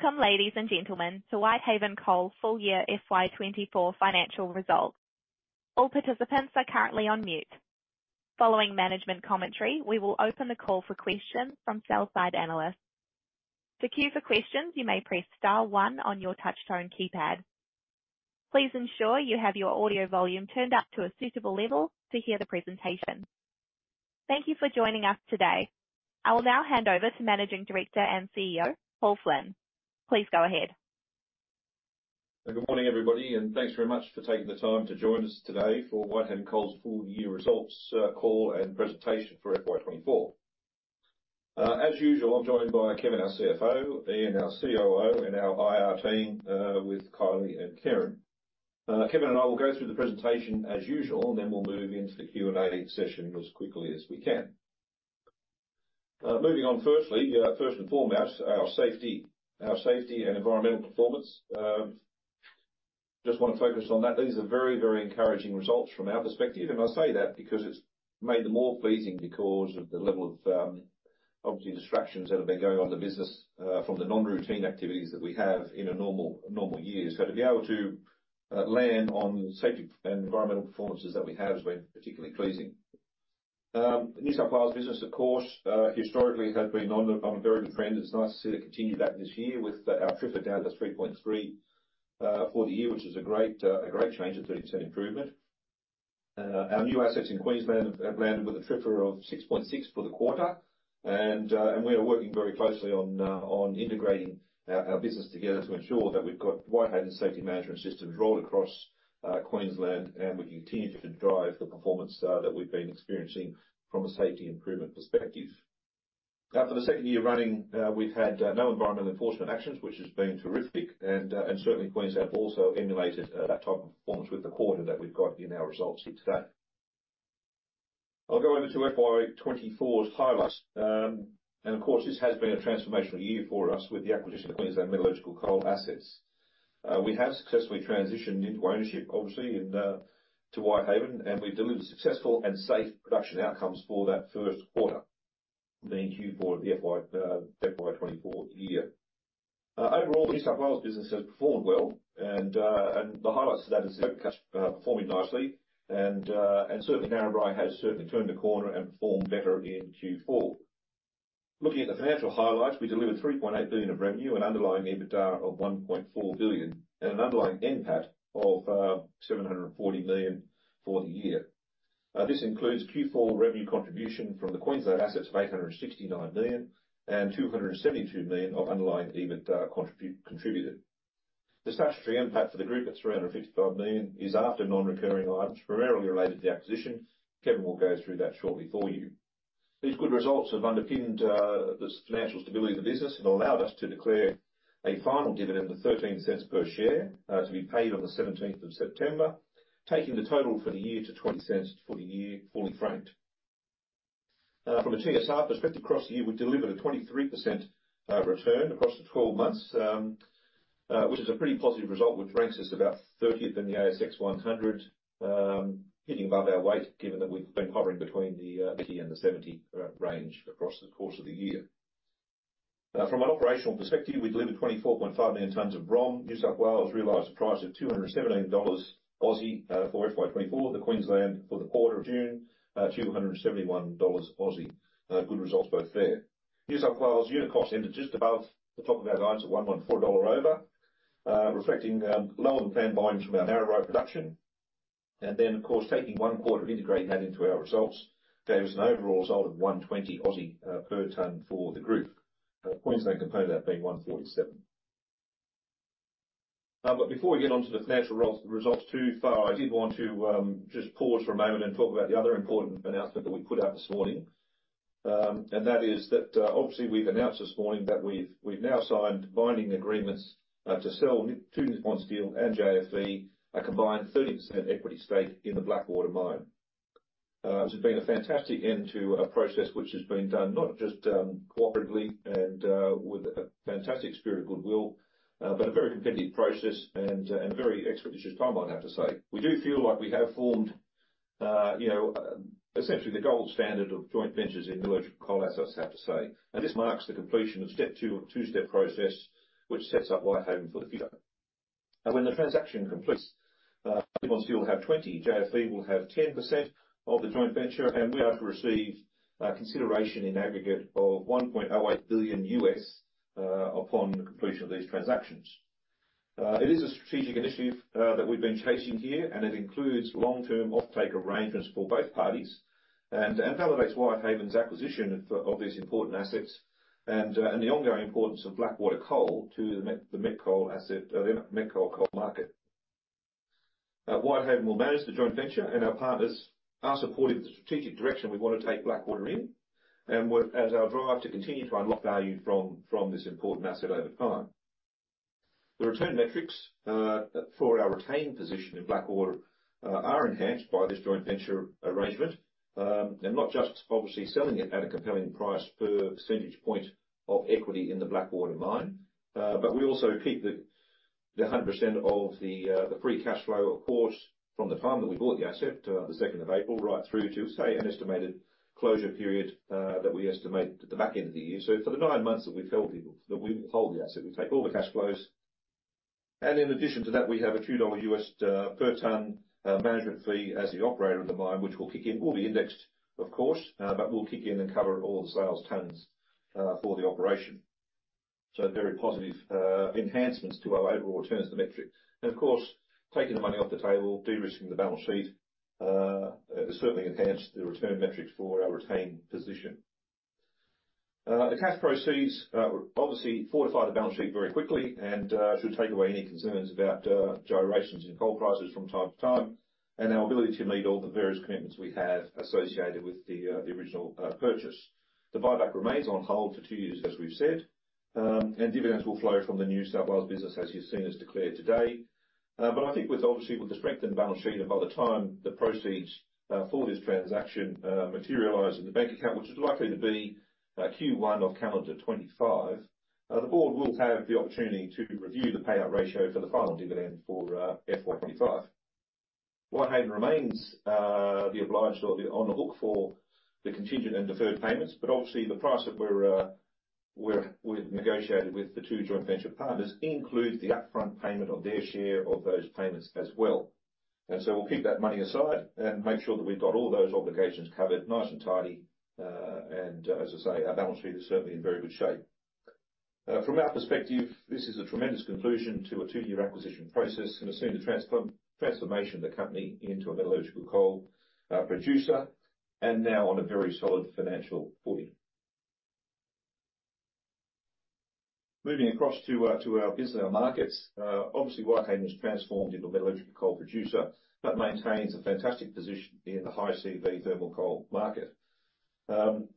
Welcome, ladies and gentlemen, to Whitehaven Coal full year FY 2024 financial results. All participants are currently on mute. Following management commentary, we will open the call for questions from sell-side analysts. To queue for questions, you may press star one on your touch-tone keypad. Please ensure you have your audio volume turned up to a suitable level to hear the presentation. Thank you for joining us today. I will now hand over to Managing Director and CEO, Paul Flynn. Please go ahead. Good morning, everybody, and thanks very much for taking the time to join us today for Whitehaven Coal's full year results call and presentation for FY 2024. As usual, I'm joined by Kevin, our CFO, Ian, our COO, and our IR team with Kylie and Karen. Kevin and I will go through the presentation as usual, and then we'll move into the Q&A session as quickly as we can. Moving on, firstly, first and foremost, our safety and environmental performance. Just want to focus on that. These are very, very encouraging results from our perspective, and I say that because it's made them more pleasing because of the level of obviously distractions that have been going on in the business from the non-routine activities that we have in a normal year. So to be able to land on safety and environmental performances that we have has been particularly pleasing. The New South Wales business, of course, historically, has been on a very good trend. It's nice to see it continue that this year with our TRIFR down to 3.3 for the year, which is a great change and 30% improvement. Our new assets in Queensland have landed with a TRIFR of 6.6 for the quarter. And we are working very closely on integrating our business together to ensure that we've got Whitehaven safety management systems rolled across Queensland, and we continue to drive the performance that we've been experiencing from a safety improvement perspective. For the second year running, we've had no environmental enforcement actions, which has been terrific, and certainly Queensland also emulated that type of performance with the quarter that we've got in our results here today. I'll go over to FY 2024's highlights. And of course, this has been a transformational year for us with the acquisition of Queensland metallurgical coal assets. We have successfully transitioned into ownership, obviously, and to Whitehaven, and we delivered successful and safe production outcomes for that first quarter, the Q4 of the FY, FY 2024 year. Overall, the New South Wales business has performed well, and the highlights of that is performing nicely, and certainly Narrabri has certainly turned a corner and performed better in Q4. Looking at the financial highlights, we delivered 3.8 billion of revenue and underlying EBITDA of 1.4 billion, and an underlying NPAT of 740 million for the year. This includes Q4 revenue contribution from the Queensland assets of 869 million, and 272 million of underlying EBITDA contributed. The statutory NPAT for the group at 355 million is after non-recurring items primarily related to the acquisition. Kevin will go through that shortly for you. These good results have underpinned the financial stability of the business and allowed us to declare a final dividend of 0.13 per share, to be paid on the seventeenth of September, taking the total for the year to 0.20 for the year, fully franked. From a TSR perspective, across the year, we delivered a 23% return across the twelve months, which is a pretty positive result, which ranks us about 30th in the ASX 100, hitting above our weight, given that we've been hovering between the 50 and the 70 range across the course of the year. From an operational perspective, we delivered 24.5 million tons of ROM. New South Wales realized a price of 217 Aussie dollars for FY 2024. The Queensland for the quarter of June, 271 Aussie dollars. Good results both there. New South Wales unit cost ended just above the top of our guidance of 114 dollars over, reflecting lower than planned volumes from our Narrabri production. And then, of course, taking one quarter of integrating that into our results, there was an overall result of 120 per tonne for the group. The Queensland component of that being 147, but before we get onto the financial results too far, I did want to just pause for a moment and talk about the other important announcement that we put out this morning. And that is that, obviously we've announced this morning that we've now signed binding agreements to sell to Nippon Steel and JFE a combined 30% equity stake in the Blackwater Mine. This has been a fantastic end to a process which has been done not just cooperatively and with a fantastic spirit of goodwill, but a very competitive process and very expeditious timeline, I have to say. We do feel like we have formed, you know, essentially the gold standard of joint ventures in metallurgical coal assets, I have to say. And this marks the completion of step two of a two-step process, which sets up Whitehaven for the future. And when the transaction completes, Nippon Steel will have 20, JFE will have 10% of the joint venture, and we are to receive consideration in aggregate of $1.08 billion upon the completion of these transactions. It is a strategic initiative that we've been chasing here, and it includes long-term offtake arrangements for both parties, and elevates Whitehaven's acquisition of these important assets, and the ongoing importance of Blackwater to the met coal asset, the met coal market. Whitehaven will manage the joint venture, and our partners are supportive of the strategic direction we want to take Blackwater in, and as our drive to continue to unlock value from this important asset over time. The return metrics for our retained position in Blackwater are enhanced by this joint venture arrangement. And not just obviously selling it at a compelling price per percentage point of equity in the Blackwater mine, but we also keep the 100% of the free cash flow, of course, from the time that we bought the asset on the second of April, right through to, say, an estimated closure period that we estimate at the back end of the year. So, for the nine months that we hold the asset, we take all the cash flows. In addition to that, we have a $2 per ton management fee as the operator of the mine, which will kick in. We'll be indexed, of course, but we'll kick in and cover all the sales tons for the operation. So very positive enhancements to our overall returns, the metric. And of course, taking the money off the table, de-risking the balance sheet, certainly enhanced the return metrics for our retained position. The cash proceeds obviously fortified the balance sheet very quickly and should take away any concerns about gyrations in coal prices from time to time, and our ability to meet all the various commitments we have associated with the, the original purchase. The buyback remains on hold for two years, as we've said. And dividends will flow from the New South Wales business, as you've seen us declare today. But I think with, obviously, with the strength in the balance sheet, and by the time the proceeds for this transaction materialize in the bank account, which is likely to be Q1 of calendar 2025, the board will have the opportunity to review the payout ratio for the final dividend for FY 2025. Whitehaven remains the obligor or on the hook for the contingent and deferred payments, but obviously, the price that we've negotiated with the two joint venture partners includes the upfront payment on their share of those payments as well. And so we'll keep that money aside and make sure that we've got all those obligations covered, nice and tidy. And, as I say, our balance sheet is certainly in very good shape. From our perspective, this is a tremendous conclusion to a two-year acquisition process, and has seen the transformation of the company into a metallurgical coal producer, and now on a very solid financial footing. Moving across to our business and our markets. Obviously, Whitehaven has transformed into a metallurgical coal producer, but maintains a fantastic position in the high CV thermal coal market.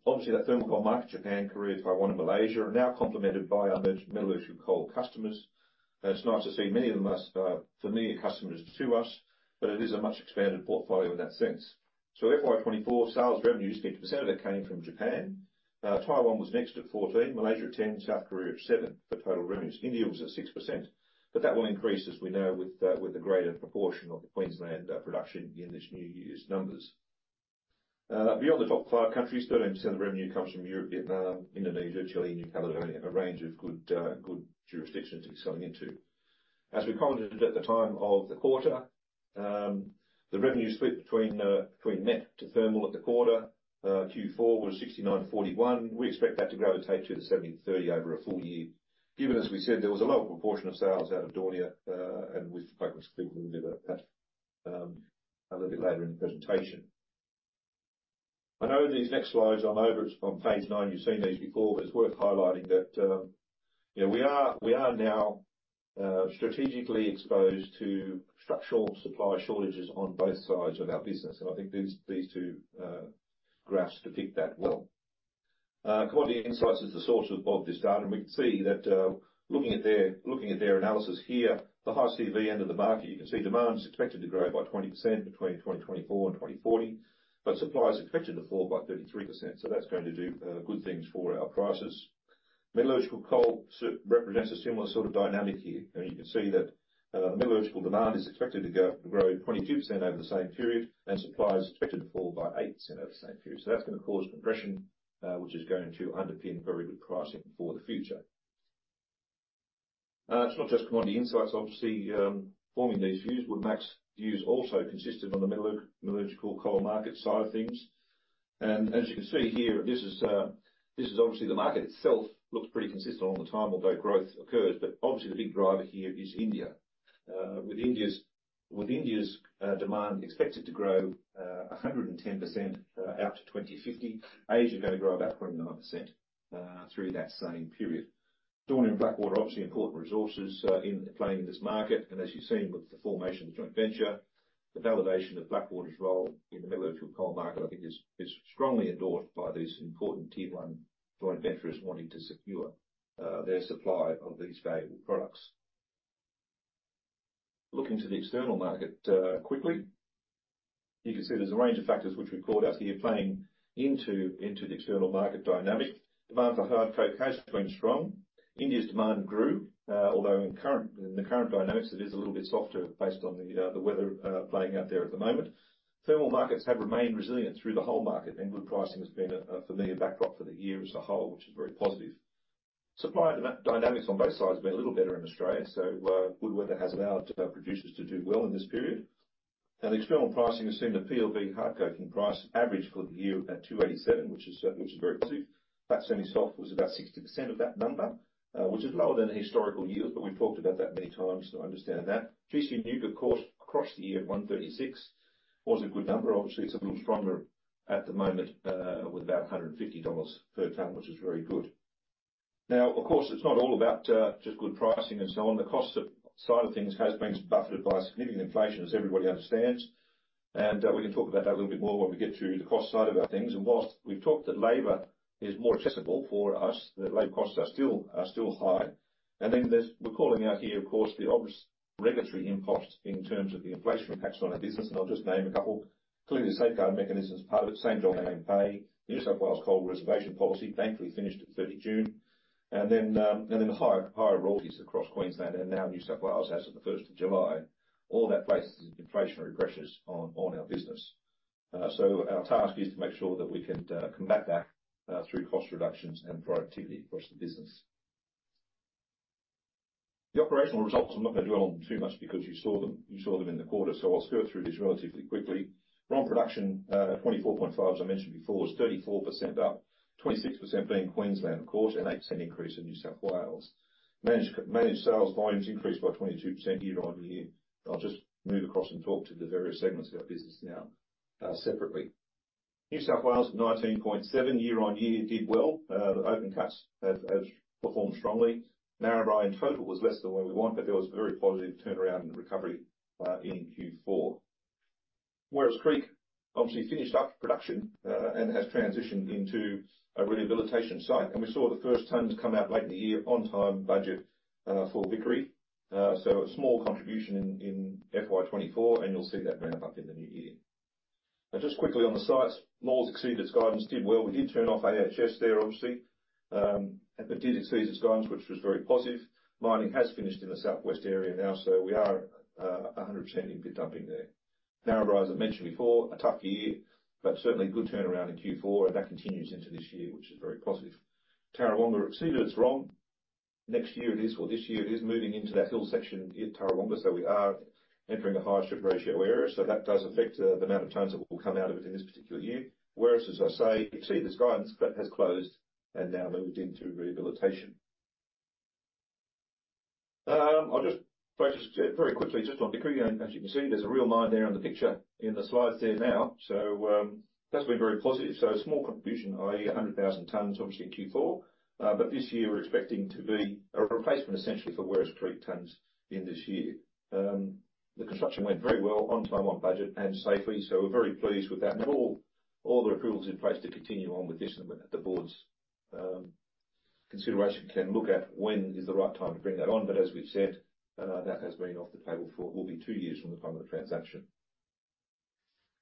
Obviously, that thermal coal market, Japan, Korea, Taiwan, and Malaysia, are now complemented by our metallurgical coal customers, and it's nice to see many of them as familiar customers to us, but it is a much expanded portfolio in that sense. FY 2024 sales revenues, 60% of it came from Japan. Taiwan was next at 14%, Malaysia at 10%, South Korea at 7%, for total revenues. India was at 6%, but that will increase, as we know, with a greater proportion of the Queensland production in this new year's numbers. Beyond the top five countries, 13% of revenue comes from Europe, Vietnam, Indonesia, Chile, New Caledonia, a range of good jurisdictions it's selling into. As we commented at the time of the quarter, the revenue split between met to thermal at the quarter, Q4, was 69/41. We expect that to gravitate to the 70/30 over a full year, given, as we said, there was a lower proportion of sales out of Daunia, and we'll speak a little bit about that, a little bit later in the presentation. I know these next slides, I know it's from page nine, you've seen these before, but it's worth highlighting that, yeah, we are now strategically exposed to structural supply shortages on both sides of our business, and I think these two graphs depict that well. Commodity Insights is the source of this data, and we can see that, looking at their analysis here, the high CV end of the market, you can see demand is expected to grow by 20% between 2024 and 2040, but supply is expected to fall by 33%, so that's going to do good things for our prices. Metallurgical coal sort of represents a similar sort of dynamic here. You can see that, metallurgical demand is expected to go up and grow 22% over the same period, and supply is expected to fall by 8% over the same period. So that's gonna cause compression, which is going to underpin very good pricing for the future. It's not just Commodity Insights, obviously, forming these views, but S&P views also consisted on the metallurgical coal market side of things. As you can see here, this is obviously the market itself, looks pretty consistent all the time, although growth occurs. Obviously, the big driver here is India. With India's demand expected to grow 110% out to 2050, Asia is gonna grow about 0.9% through that same period. Daunia and Blackwater are obviously important resources in playing in this market, and as you've seen with the formation of the joint venture, the validation of Blackwater's role in the metallurgical coal market, I think is strongly endorsed by these important tier one joint venturers wanting to secure their supply of these valuable products. Looking to the external market, quickly, you can see there's a range of factors which we called out here, playing into the external market dynamic. Demand for hard coking coal has remained strong. India's demand grew, although in the current dynamics, it is a little bit softer based on the weather playing out there at the moment. Thermal markets have remained resilient through the whole market, and good pricing has been a familiar backdrop for the year as a whole, which is very positive. Supply dynamics on both sides has been a little better in Australia, so good weather has allowed producers to do well in this period. And the external pricing has seen the PLV hard coking price average for the year at $287, which is very good. That semi-soft was about 60% of that number, which is lower than historical years, but we've talked about that many times, so I understand that. GC Newcastle, of course, across the year, at $136, was a good number. Obviously, it's a little stronger at the moment with about $150 per ton, which is very good. Now, of course, it's not all about just good pricing and so on. The cost side of things has been buffeted by significant inflation, as everybody understands, and we can talk about that a little bit more when we get to the cost side of our things. Whilst we've talked that labor is more accessible for us, the labor costs are still high. Then there's we're calling out here, of course, the obvious. Regulatory impacts in terms of the inflation impact on our business, and I'll just name a couple. Clearly, the safeguard mechanism is part of it. Same Job, Same Pay. New South Wales coal reservation policy thankfully finished at thirty June. And then the higher royalties across Queensland and now New South Wales as of the first of July. All that places inflationary pressures on our business. So our task is to make sure that we can combat that through cost reductions and productivity across the business. The operational results, I'm not going to dwell on them too much because you saw them in the quarter, so I'll skirt through this relatively quickly. Raw production, 24.5, as I mentioned before, is 34% up, 26% being Queensland, of course, and 8% increase in New South Wales. Managed sales volumes increased by 22% year-on-year. I'll just move across and talk to the various segments of our business now, separately. New South Wales, at 19.7 year-on-year, did well. The open cuts have performed strongly. Narrabri in total was less than what we want, but there was a very positive turnaround in recovery, in Q4. Werris Creek obviously finished up production, and has transitioned into a rehabilitation site, and we saw the first tons come out late in the year on time, budget, for Vickery. So, a small contribution in, in FY 2024, and you'll see that ramp up in the new year. Now, just quickly on the sites, Maules exceeded its guidance, did well. We did turn off AHS there, obviously. But did exceed its guidance, which was very positive. Mining has finished in the southwest area now, so we are 100% in pit dumping there. Narrabri, as I mentioned before, a tough year, but certainly a good turnaround in Q4, and that continues into this year, which is very positive. Tarrawonga exceeded its ROM. Next year it is. Well, this year it is moving into that hill section in Tarrawonga, so we are entering a higher strip ratio area. So that does affect the amount of tons that will come out of it in this particular year. Werris Creek, as I say, exceeded its guidance, but has closed and now moved into rehabilitation. I'll just focus very quickly just on Vickery, and as you can see, there's a real mine there in the picture in the slides there now, so that's been very positive, so a small contribution, i.e., a 100,000 tons, obviously in Q4, but this year, we're expecting to be a replacement essentially for Werris Creek tons in this year. The construction went very well, on time, on budget, and safely, so we're very pleased with that, and all the approvals in place to continue on with this, and the board's consideration can look at when is the right time to bring that on, but as we've said, that has been off the table for what will be two years from the time of the transaction.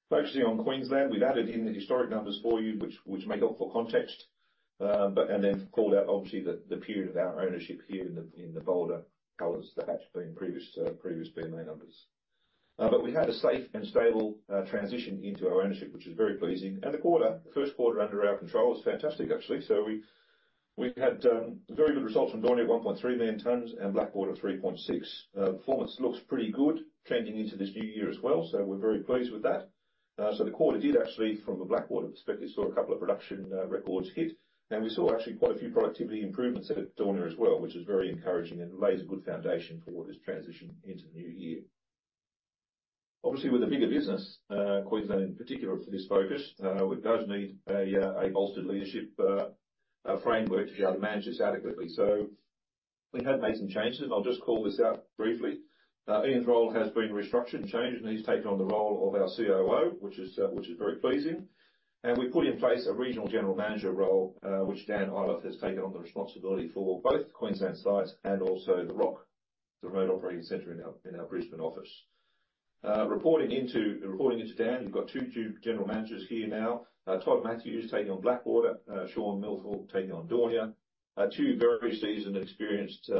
Focusing on Queensland, we've added in the historic numbers for you, which make up for context. Then called out obviously the period of our ownership here in the bolder colors, that's been previous to previous BMA numbers. But we had a safe and stable transition into our ownership, which is very pleasing. The quarter, the first quarter under our control, was fantastic, actually. We've had very good results from Daunia at 1.3 million tons and Blackwater, 3.6 million tons. Performance looks pretty good trending into this new year as well, so we're very pleased with that. So the quarter did actually, from a Blackwater perspective, saw a couple of production records hit, and we saw actually quite a few productivity improvements at Daunia as well, which is very encouraging and lays a good foundation for this transition into the new year. Obviously, with a bigger business, Queensland in particular for this focus, it does need a bolstered leadership framework to be able to manage this adequately. So we have made some changes, and I'll just call this out briefly. Ian's role has been restructured and changed, and he's taken on the role of our COO, which is very pleasing. We put in place a regional general manager role, which Dan Iliffe has taken on the responsibility for both the Queensland sites and also the ROC, the Remote Operating Center in our Brisbane office. Reporting into Dan, we've got two general managers here now. Todd Matthews taking on Blackwater, Sean Milthorpe taking on Daunia. Two very seasoned, experienced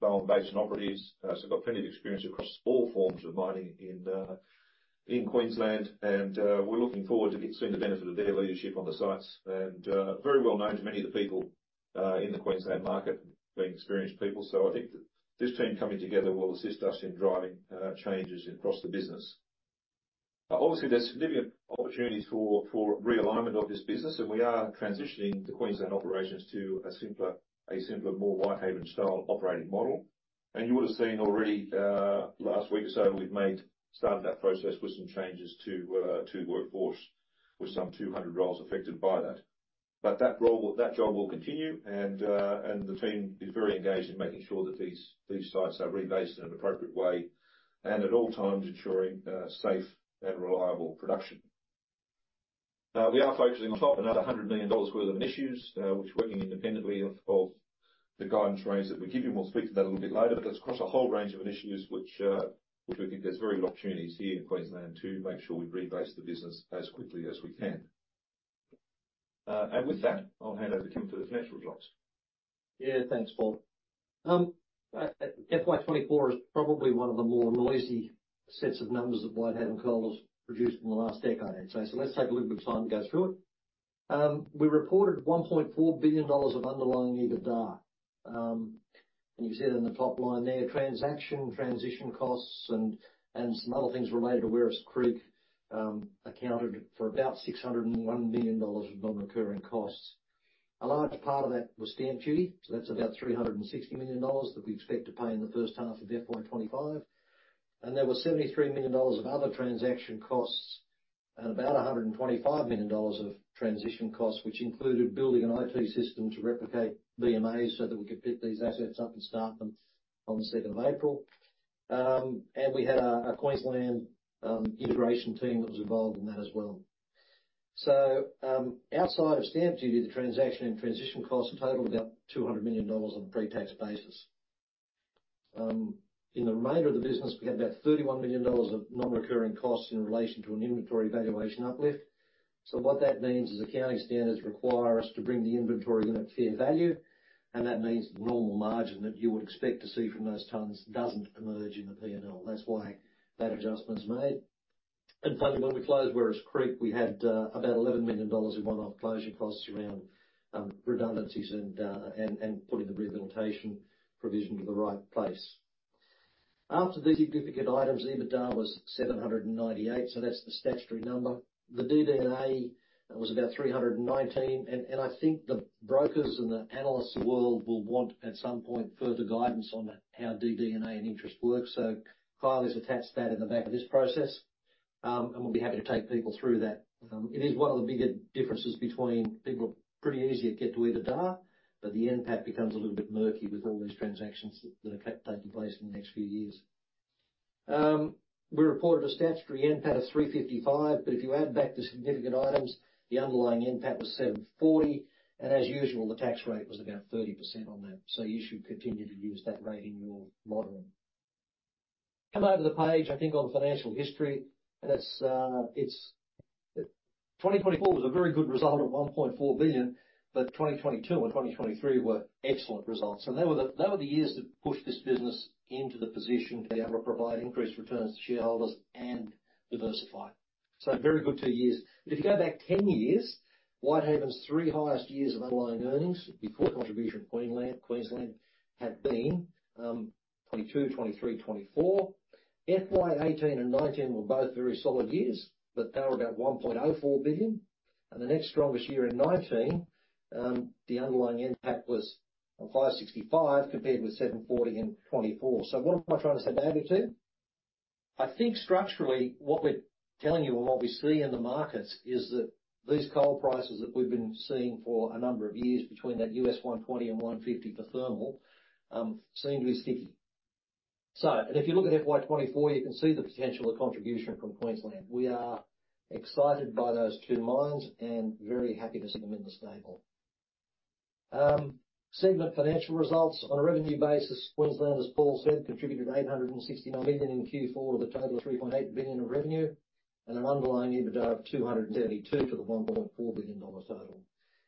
Bowen Basin operatives, so got plenty of experience across all forms of mining in Queensland. We're looking forward to seeing the benefit of their leadership on the sites, very well known to many of the people in the Queensland market, being experienced people, so I think that this team coming together will assist us in driving changes across the business. Obviously, there's significant opportunities for realignment of this business, and we are transitioning the Queensland operations to a simpler, more Whitehaven style operating model. You would have seen already, last week or so, we've started that process with some changes to workforce, with some 200 roles affected by that. But that role, that job will continue, and the team is very engaged in making sure that these sites are rebased in an appropriate way, and at all times, ensuring safe and reliable production. We are focusing on top another 100 million dollars worth of initiatives, which are working independently of the guidance range that we give you. We'll speak to that a little bit later, but that's across a whole range of initiatives which we think there's very opportunities here in Queensland to make sure we rebase the business as quickly as we can. And with that, I'll hand over to Kevin for the financial updates. Yeah, thanks, Paul. FY 2024 is probably one of the more noisy sets of numbers that Whitehaven Coal has produced in the last decade, I'd say. So let's take a little bit of time to go through it. We reported 1.4 billion dollars of underlying EBITDA. And you see it in the top line there, transaction, transition costs, and some other things related to Werris Creek accounted for about 601 million dollars of non-recurring costs. A large part of that was stamp duty, so that's about 360 million dollars that we expect to pay in the first half of FY 2025. There was 73 million dollars of other transaction costs and about 125 million dollars of transition costs, which included building an IT system to replicate BMA, so that we could pick these assets up and start them on the second of April. And we had a Queensland integration team that was involved in that as well. Outside of stamp duty, the transaction and transition costs totalled about 200 million dollars on a pre-tax basis. In the remainder of the business, we had about 31 million dollars of non-recurring costs in relation to an inventory valuation uplift. What that means is, accounting standards require us to bring the inventory unit fair value, and that means the normal margin that you would expect to see from those tons doesn't emerge in the P&L. That's why that adjustment's made. And finally, when we closed Werris Creek, we had about AUD 11 million in one-off closure costs around redundancies and putting the rehabilitation provision to the right place. After these significant items, EBITDA was 798, so that's the statutory number. The DD&A was about 319, and I think the brokers and the analysts world will want, at some point, further guidance on how DD&A and interest works. So, Kylie's attached that in the back of this process, and we'll be happy to take people through that. It is one of the bigger differences between people are pretty easy to get to EBITDA, but the NPAT becomes a little bit murky with all these transactions that are taking place in the next few years. We reported a statutory NPAT of 355 million, but if you add back the significant items, the underlying NPAT was 740 million, and as usual, the tax rate was about 30% on that, so you should continue to use that rate in your modeling. Come over to the page, I think, on financial history, and it's 2024 was a very good result at 1.4 billion, but 2022 and 2023 were excellent results, and they were the, they were the years that pushed this business into the position to be able to provide increased returns to shareholders and diversify, so very good two years, but if you go back 10 years, Whitehaven's three highest years of underlying earnings, before the contribution of Queensland, have been 2022, 2023, 2024. FY 2018 and 2019 were both very solid years, but they were about 1.04 billion. The next strongest year in 2019, the underlying NPAT was 565, compared with 740 in 2024. What am I trying to say, to you, I think structurally, what we're telling you and what we see in the markets is that these coal prices that we've been seeing for a number of years between $120-$150 for thermal seem to be sticky. And if you look at FY 2024, you can see the potential of contribution from Queensland. We are excited by those two mines and very happy to see them in the stable. Segment financial results. On a revenue basis, Queensland, as Paul said, contributed $869 million in Q4, with a total of $3.8 billion in revenue, and an underlying EBITDA of $272 million to the $1.4 billion total.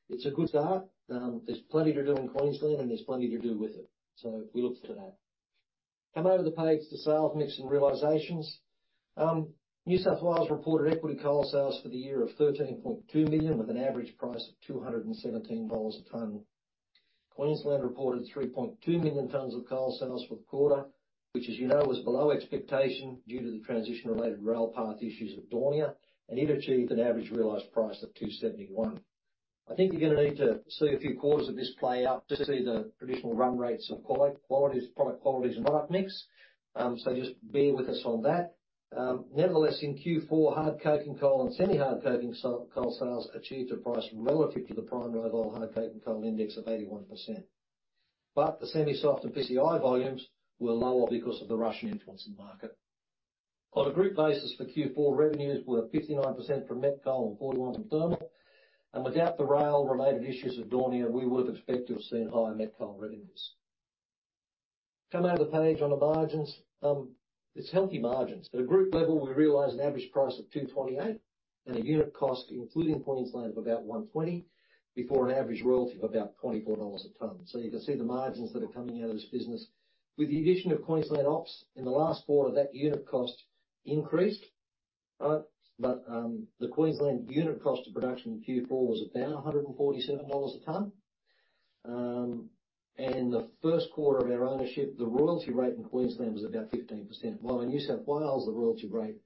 It's a good start. There's plenty to do in Queensland, and there's plenty to do with it, so we look to that. Come over the page to sales mix and realizations. New South Wales reported equity coal sales for the year of 13.2 million, with an average price of $217 a ton. Queensland reported 3.2 million tons of coal sales for the quarter, which, as you know, was below expectation due to the transition-related rail path issues at Daunia, and it achieved an average realized price of $271. I think you're gonna need to see a few quarters of this play out to see the traditional run rates of qualities, product qualities and product mix, so just bear with us on that. Nevertheless, in Q4, hard coking coal and semi-hard coking coal sales achieved a price relative to the primary level of hard coking coal index of 81%. But the semi-soft and PCI volumes were lower because of the Russian influence in the market. On a group basis for Q4, revenues were 59% from met coal and 41% from thermal. Without the rail-related issues of Daunia, we would have expected to have seen higher met coal revenues. Come over the page on the margins. It's healthy margins. At a group level, we realized an average price of $228 and a unit cost, including Queensland, of about $120, before an average royalty of about $24 a ton, so you can see the margins that are coming out of this business. With the addition of Queensland ops, in the last quarter, that unit cost increased, but the Queensland unit cost of production in Q4 was down $147 a ton, and the first quarter of our ownership, the royalty rate in Queensland was about 15%, while in New South Wales, the royalty rate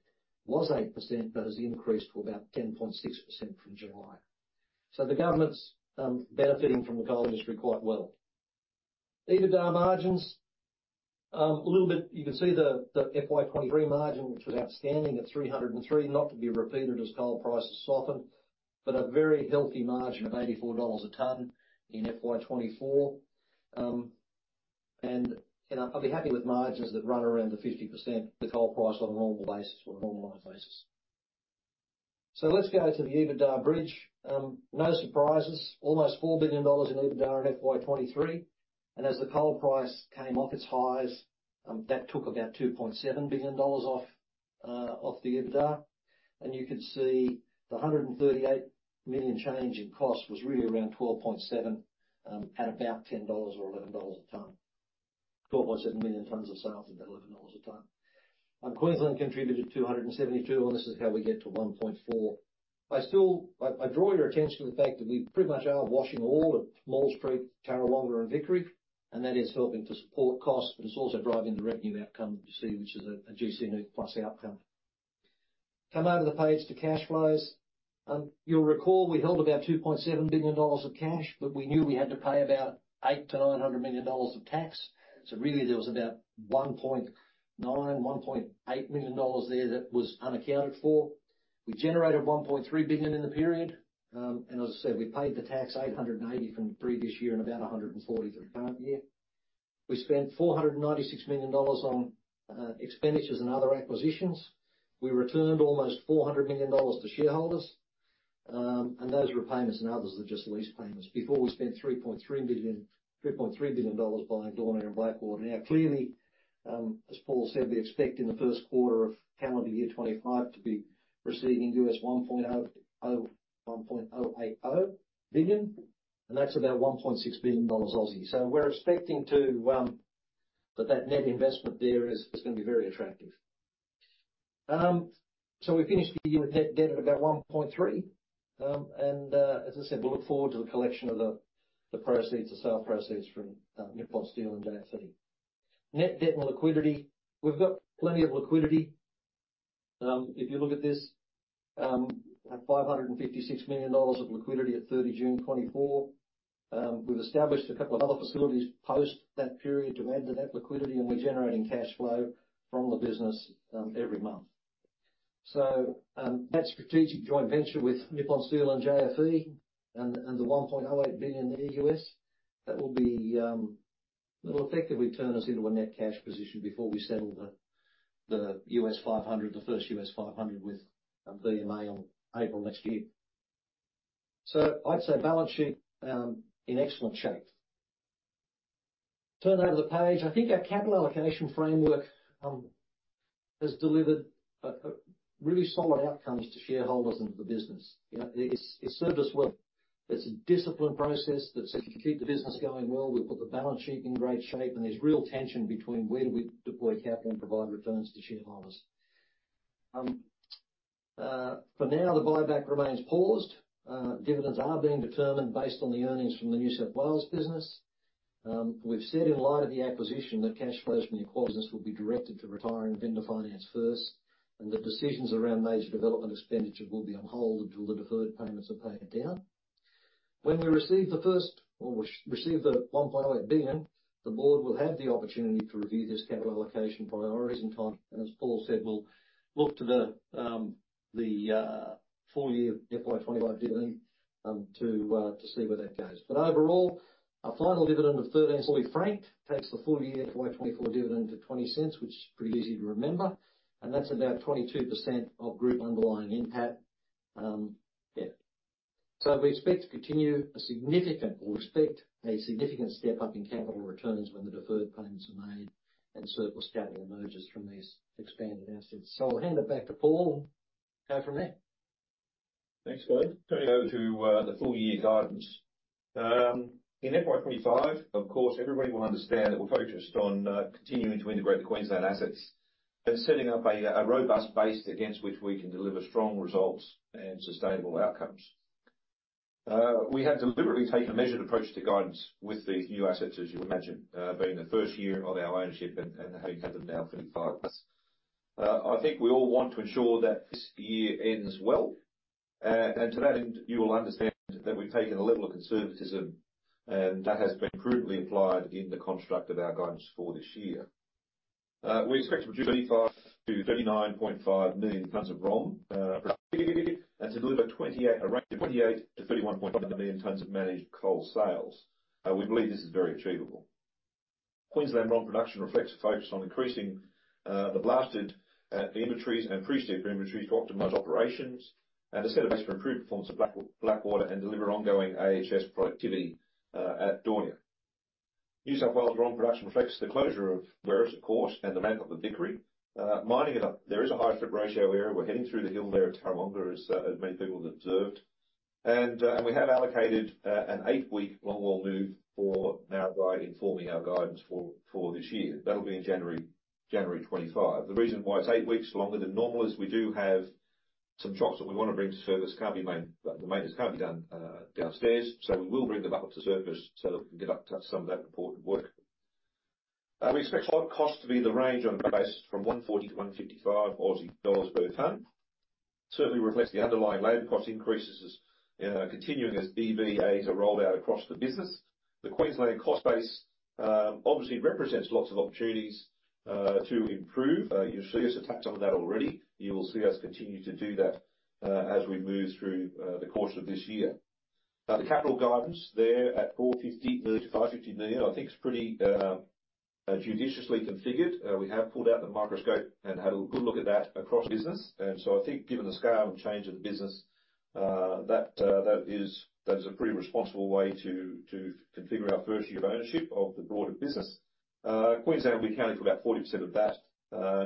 was 8%, but has increased to about 10.6% from July, so the government's benefiting from the coal industry quite well. EBITDA margins a little bit. You can see the FY23 margin, which was outstanding at $303, not to be repeated as coal prices soften, but a very healthy margin of $84 a ton in FY24, and I'll be happy with margins that run around the 50% with coal price on a normal basis or a normalized basis. So let's go to the EBITDA bridge. No surprises, almost $4 billion in EBITDA in FY23, and as the coal price came off its highs, that took about $2.7 billion off the EBITDA. And you can see the 138 million change in cost was really around 12.7 at about $10 or $11 a ton. 12.7 million tons of sales at $11 a ton. Queensland contributed 272, and this is how we get to 1.4. I still I draw your attention to the fact that we pretty much are washing all of Maules Creek, Tarrawonga, and Vickery, and that is helping to support costs, but it's also driving the revenue outcome you see, which is a GC NEWC plus outcome. Come over the page to cash flows, and you'll recall we held about 2.7 billion dollars of cash, but we knew we had to pay about 800 million-900 million dollars of tax. So really, there was about 1.9-1.8 million dollars there that was unaccounted for. We generated 1.3 billion in the period, and as I said, we paid the tax, 880 million from the previous year and about 140 million for the current year. We spent 496 million dollars on expenditures and other acquisitions. We returned almost 400 million dollars to shareholders, and those were repayments and others were just lease payments before we spent 3.3 billion dollars buying Daunia and Blackwater. Now, clearly, as Paul said, we expect in the first quarter of calendar year 2025 to be receiving $1.080 billion, and that's about 1.6 billion Aussie dollars. So we're expecting to, that net investment there is going to be very attractive. So we finished the year with net debt at about $1.3 billion, and, as I said, we look forward to the collection of the proceeds, the sale proceeds from Nippon Steel and JFE. Net debt and liquidity. We've got plenty of liquidity. If you look at this, at 556 million dollars of liquidity at 30 June 2024, we've established a couple of other facilities post that period to add to that liquidity, and we're generating cash flow from the business every month. So, that strategic joint venture with Nippon Steel and JFE and the $1.8 billion, that will be, that will effectively turn us into a net cash position before we settle the $500 million, the first $500 million with BMA on April next year. So I'd say balance sheet in excellent shape. Turn over the page. I think our capital allocation framework has delivered really solid outcomes to shareholders and to the business. You know, it's served us well. It's a disciplined process that's said, if you keep the business going well, we've got the balance sheet in great shape, and there's real tension between where do we deploy capital and provide returns to shareholders. For now, the buyback remains paused. Dividends are being determined based on the earnings from the New South Wales business. We've said in light of the acquisition, that cash flows from the acquisition will be directed to retiring vendor finance first, and the decisions around major development expenditure will be on hold until the deferred payments are paid down. When we receive the $1.8 billion, the board will have the opportunity to review this capital allocation priorities in time, and as Paul said, we'll look to the full year FY 2025 dividend to see where that goes. But overall, our final dividend of 0.13 fully franked takes the full year FY 2024 dividend to 0.20, which is pretty easy to remember, and that's about 22% of group underlying NPAT. So we expect a significant step-up in capital returns when the deferred payments are made and surplus capital emerges from these expanded assets. So I'll hand it back to Paul, and go from there. Thanks, Kevin. Turning over to the full year guidance. In FY 2025, of course, everybody will understand that we're focused on continuing to integrate the Queensland assets and setting up a robust base against which we can deliver strong results and sustainable outcomes. We have deliberately taken a measured approach to guidance with the new assets, as you imagine, being the first year of our ownership and having had them now for 35+. I think we all want to ensure that this year ends well, and to that end, you will understand that we've taken a level of conservatism, and that has been prudently applied in the construct of our guidance for this year. We expect to produce 35-39.5 million tons of ROM, and to deliver 28, a range of 28-31.5 million tons of managed coal sales. We believe this is very achievable. Queensland ROM production reflects a focus on increasing the blasted inventories and pre-strip inventories to optimize operations, and is set a base for improved performance of Blackwater and deliver ongoing AHS productivity at Daunia. New South Wales ROM production reflects the closure of Werris, of course, and the ramp up of Vickery. Mining it up, there is a high strip ratio area. We're heading through the hill there at Tarrawonga, as many people have observed. We have allocated an eight-week longwall move for Narrabri in forming our guidance for this year. That'll be in January 2025. The reason why it's eight weeks longer than normal is we do have some drops that we want to bring to surface, can't be made, the maintenance can't be done, downstairs, so we will bring them up to surface so that we can get up to some of that important work. We expect site costs to be in the range on a base from 140-155 Aussie dollars per ton. Certainly reflects the underlying labor cost increases, continuing as EBAs are rolled out across the business. The Queensland cost base obviously represents lots of opportunities to improve. You'll see us act on that already. You will see us continue to do that as we move through the course of this year. Now, the capital guidance there at 450 million-550 million, I think is pretty judiciously configured. We have pulled out the microscope and had a good look at that across business. And so I think given the scale and change of the business, that is a pretty responsible way to configure our first year of ownership of the broader business. Queensland, we accounted for about 40% of that,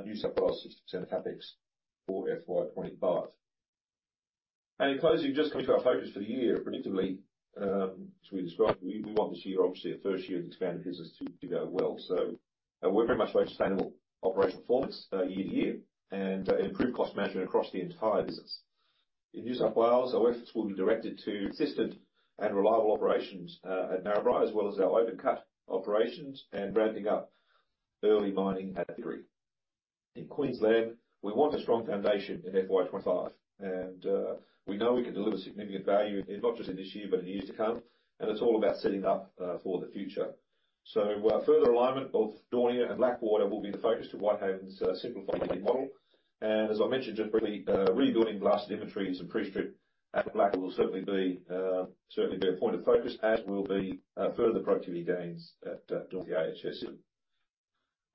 New South Wales, 6% of CapEx for FY 2025. And in closing, just coming to our focus for the year, prospectively, as we described, we want this year, obviously, our first year of expanded business, to go well. So we're very much focused on sustainable operational performance, year-to-year, and improved cost management across the entire business. In New South Wales, our efforts will be directed to consistent and reliable operations at Narrabri, as well as our open cut operations and ramping up early mining at Vickery. In Queensland, we want a strong foundation in FY 2025, and we know we can deliver significant value, in not just in this year, but in years to come, and it's all about setting up for the future. So, further alignment of Daunia and Blackwater will be the focus to Whitehaven's simplified model. And as I mentioned just briefly, rebuilding blasted inventories and pre-strip at Blackwater will certainly be a point of focus, as will be further productivity gains at Daunia AHS.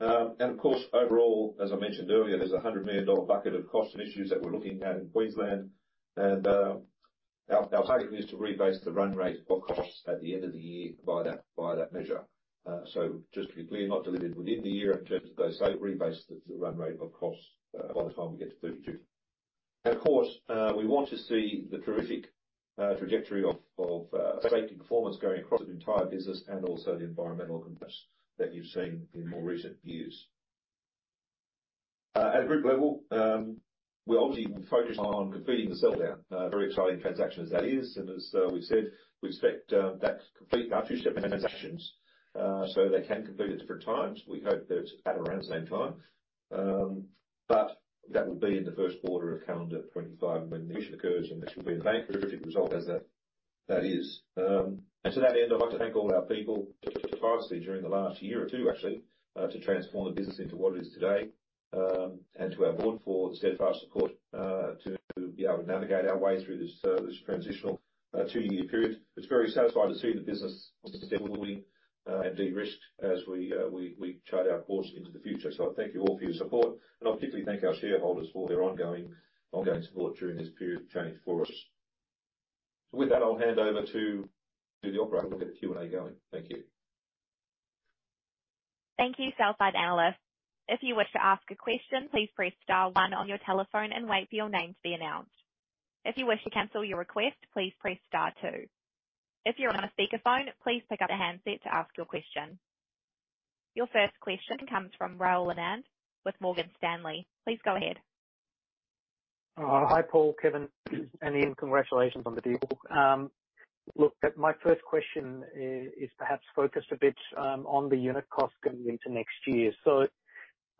And of course, overall, as I mentioned earlier, there's a 100 million dollar bucket of cost initiatives that we're looking at in Queensland, and our target is to rebase the run rate of costs at the end of the year by that measure. So just to be clear, not delivered within the year, in terms of those savings, rebase the run rate of costs by the time we get to 2032. And of course, we want to see the terrific trajectory of safety performance going across the entire business and also the environmental progress that you've seen in more recent years. At group level, we're obviously focused on completing the sell down. Very exciting transaction as that is, and as we've said, we expect that to complete our two-step transactions, so they can complete at different times. We hope that it's at around the same time. But that will be in the first quarter of calendar 2025 when the issue occurs, and this will be a bank-ready result as that is. And to that end, I'd like to thank all of our people, particularly during the last year or two actually, to transform the business into what it is today, and to our board for the steadfast support, to be able to navigate our way through this, this transitional, two-year period. It's very satisfying to see the business steadily and de-risked as we chart our course into the future. So I thank you all for your support, and I particularly thank our shareholders for their ongoing support during this period of change for us. So with that, I'll hand over to the operator. We'll get the Q&A going. Thank you. Thank you, Sell-side analysts. If you wish to ask a question, please press star one on your telephone and wait for your name to be announced. If you wish to cancel your request, please press star two. If you're on a speakerphone, please pick up the handset to ask your question. Your first question comes from Rahul Anand with Morgan Stanley. Please go ahead. Hi, Paul, Kevin, and Ian. Congratulations on the deal. Look, my first question is perhaps focused a bit on the unit costs going into next year.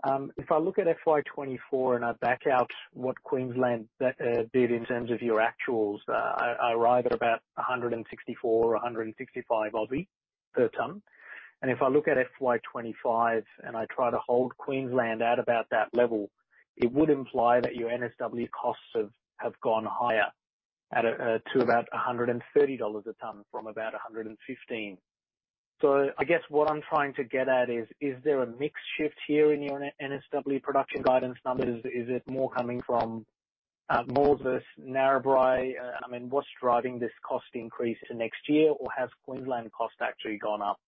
So, if I look at FY 2024 and I back out what Queensland did in terms of your actuals, I arrive at about 164 or 165 per ton. And if I look at FY 2025 and I try to hold Queensland at about that level, it would imply that your NSW costs have gone higher to about 130 dollars a ton from about 115. So I guess what I'm trying to get at is, is there a mix shift here in your NSW production guidance numbers? Is it more coming from Maules versus Narrabri? I mean, what's driving this cost increase into next year, or has Queensland cost actually gone up,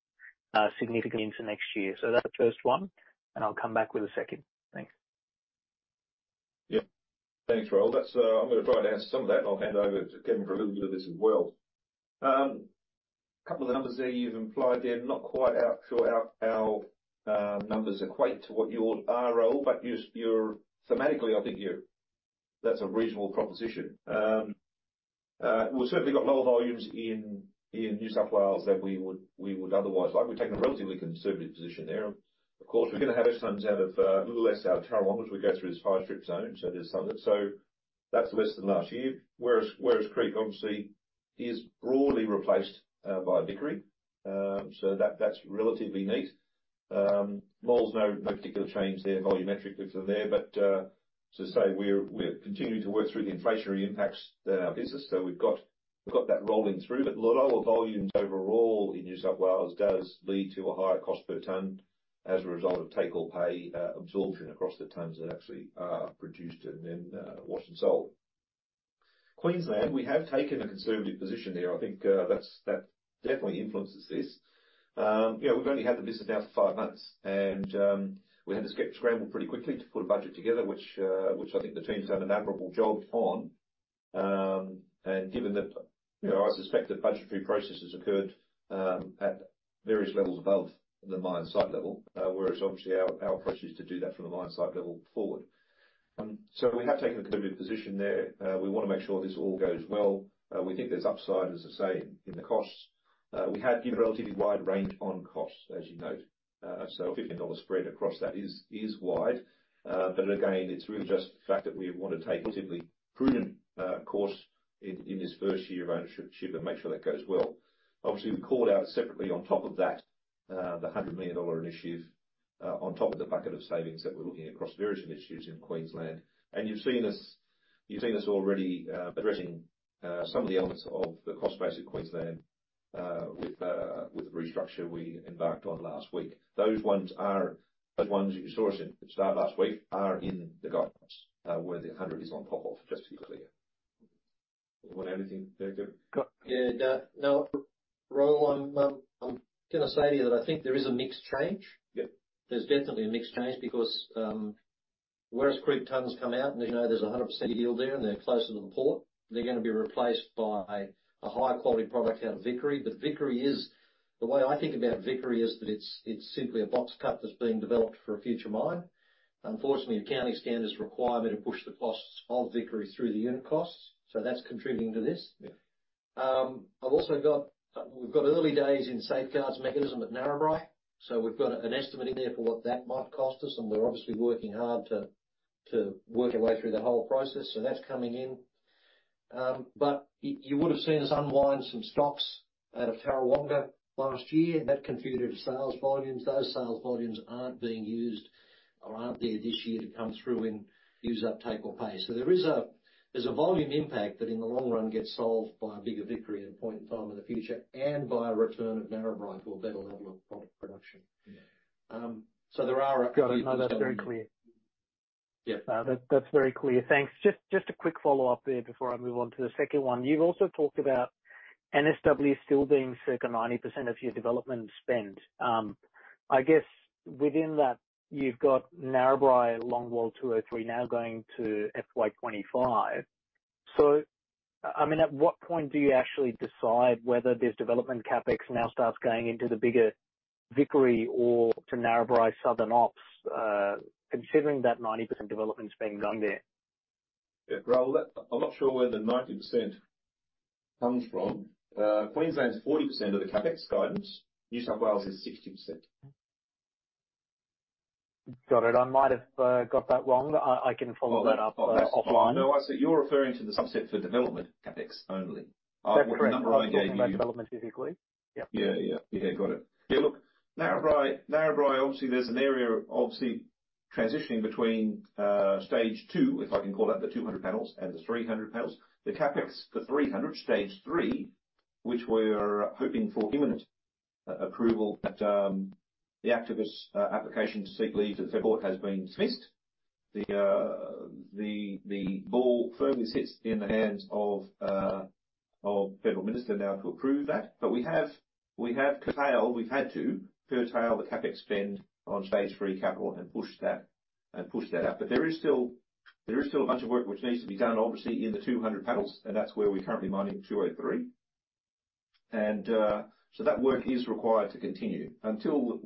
significantly into next year? So that's the first one, and I'll come back with a second. Thanks. Yep. Thanks, Rahul. That's, I'm going to try to answer some of that, and I'll hand over to Kevin for a little bit of this as well. A couple of numbers there you've implied there, not quite sure how our numbers equate to what you are, Rahul, but you're thematically, I think that's a reasonable proposition. We've certainly got lower volumes in New South Wales than we would otherwise like. We've taken a relatively conservative position there. Of course, we're going to have those tons, a little less out of Tarrawonga as we go through this high strip zone. So there's some of it. So that's less than last year. Werris Creek obviously is broadly replaced by Vickery. So that's relatively neat. Maules, no, no particular change there, volumetrically from there, but as I say, we're continuing to work through the inflationary impacts in our business. So we've got that rolling through, but lower volumes overall in New South Wales does lead to a higher cost per ton as a result of take or pay absorption across the tons that actually are produced and then washed and sold. Queensland, we have taken a conservative position there. I think that's definitely influences this. You know, we've only had the business now for five months, and we had to scramble pretty quickly to put a budget together, which I think the team's done an admirable job on. And given that, you know, I suspect that budgetary processes occurred at various levels above the mine site level, whereas obviously our, our approach is to do that from the mine site level forward. So we have taken a conservative position there. We want to make sure this all goes well. We think there's upside, as I say, in the costs. We have given a relatively wide range on costs, as you note. So $15 spread across that is wide. But again, it's really just the fact that we want to take a relatively prudent, course in, in this first year of ownership and make sure that goes well. Obviously, we called out separately on top of that, the 100 million dollar initiative, on top of the bucket of savings that we're looking at across various initiatives in Queensland. And you've seen us already addressing some of the elements of the cost base in Queensland with the restructure we embarked on last week. Those ones, the ones you saw us embark on last week, are in the guidance, where the 100 million is on top of, just to be clear. You want to add anything there, Kevin? Yeah, no, Rahul, I'm going to say to you that I think there is a mixed change. Yep. There's definitely a mixed change because Werris Creek tons come out, and as you know, there's 100% yield there, and they're closer to the port. They're going to be replaced by a higher quality product out of Vickery. But Vickery is. The way I think about Vickery is that it's simply a box cut that's being developed for a future mine. Unfortunately, accounting standards require me to push the costs of Vickery through the unit costs, so that's contributing to this. Yeah. I've also got we've got early days in Safeguard Mechanism at Narrabri, so we've got an estimate in there for what that might cost us, and we're obviously working hard to work our way through the whole process, so that's coming in. But you would have seen us unwind some stocks out of Tarrawonga last year. That contributed to sales volumes. Those sales volumes aren't being used or aren't there this year to come through and use up take or pay. So there is a, there's a volume impact that, in the long run, gets solved by a bigger Vickery at a point in time in the future, and by a return of Narrabri to a better level of product production. So there are- Got it. No, that's very clear. Yeah. That's very clear. Thanks. Just a quick follow-up there before I move on to the second one. You've also talked about NSW still being circa 90% of your development spend. I guess, within that, you've got Narrabri Longwall 203 now going to FY 2025. So, I mean, at what point do you actually decide whether this development CapEx now starts going into the bigger Vickery or to Narrabri southern ops, considering that 90% development spend gone there? Yeah, Rahul, that. I'm not sure where the 90% comes from. Queensland is 40% of the CapEx guidance. New South Wales is 60%. Got it. I might have got that wrong. I can follow that up offline. No, I see you're referring to the subset for development CapEx only. That's correct. The number I gave you- I'm talking about development physically. Yep. Yeah, yeah. Yeah, got it. Yeah, look, Narrabri, obviously, there's an area, obviously, transitioning between stage two, if I can call it, the two hundred panels and the three hundred panels. The CapEx for three hundred, stage three, which we're hoping for imminent approval, but the activist application to seek leave to the court has been dismissed. The ball firmly sits in the hands of the federal minister now to approve that. But we have curtailed, we've had to curtail the CapEx spend on stage three capital and push that out. But there is still a bunch of work which needs to be done, obviously, in the two hundred panels, and that's where we're currently mining two oh three. So that work is required to continue. Until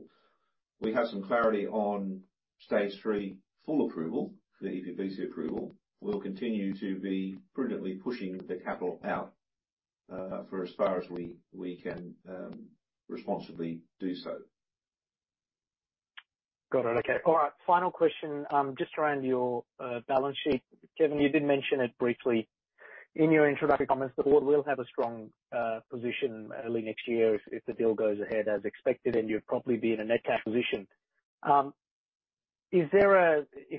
we have some clarity on stage three full approval, the EPBC approval, we'll continue to be prudently pushing the capital out, for as far as we can, responsibly do so. Got it. Okay. All right, final question, just around your balance sheet. Kevin, you did mention it briefly in your introductory comments, the board will have a strong position early next year if the deal goes ahead as expected, and you'll probably be in a net cash position. If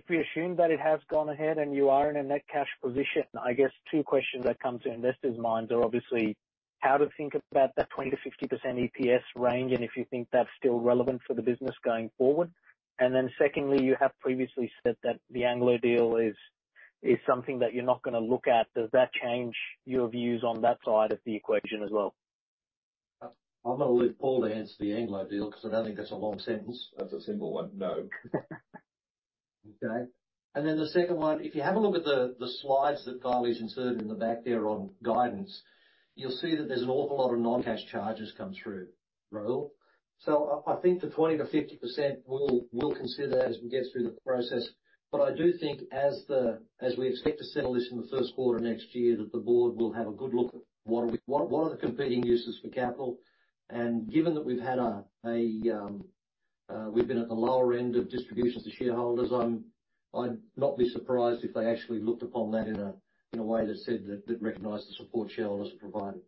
we assume that it has gone ahead and you are in a net cash position, I guess two questions that come to investors' minds are obviously, how to think about that 20%-50% EPS range, and if you think that's still relevant for the business going forward? And then secondly, you have previously said that the Anglo deal is something that you're not gonna look at. Does that change your views on that side of the equation as well? I'm gonna leave Paul to answer the Anglo deal, because I don't think that's a long sentence. That's a simple one. No. Okay. And then the second one, if you have a look at the slides that Kylie's inserted in the back there on guidance, you'll see that there's an awful lot of non-cash charges come through, Rahul. So I think the 20%-50%, we'll consider that as we get through the process. But I do think as we expect to settle this in the first quarter of next year, that the board will have a good look at what are the competing uses for capital. And given that we've been at the lower end of distributions to shareholders, I'd not be surprised if they actually looked upon that in a way that said that recognized the support shareholders have provided.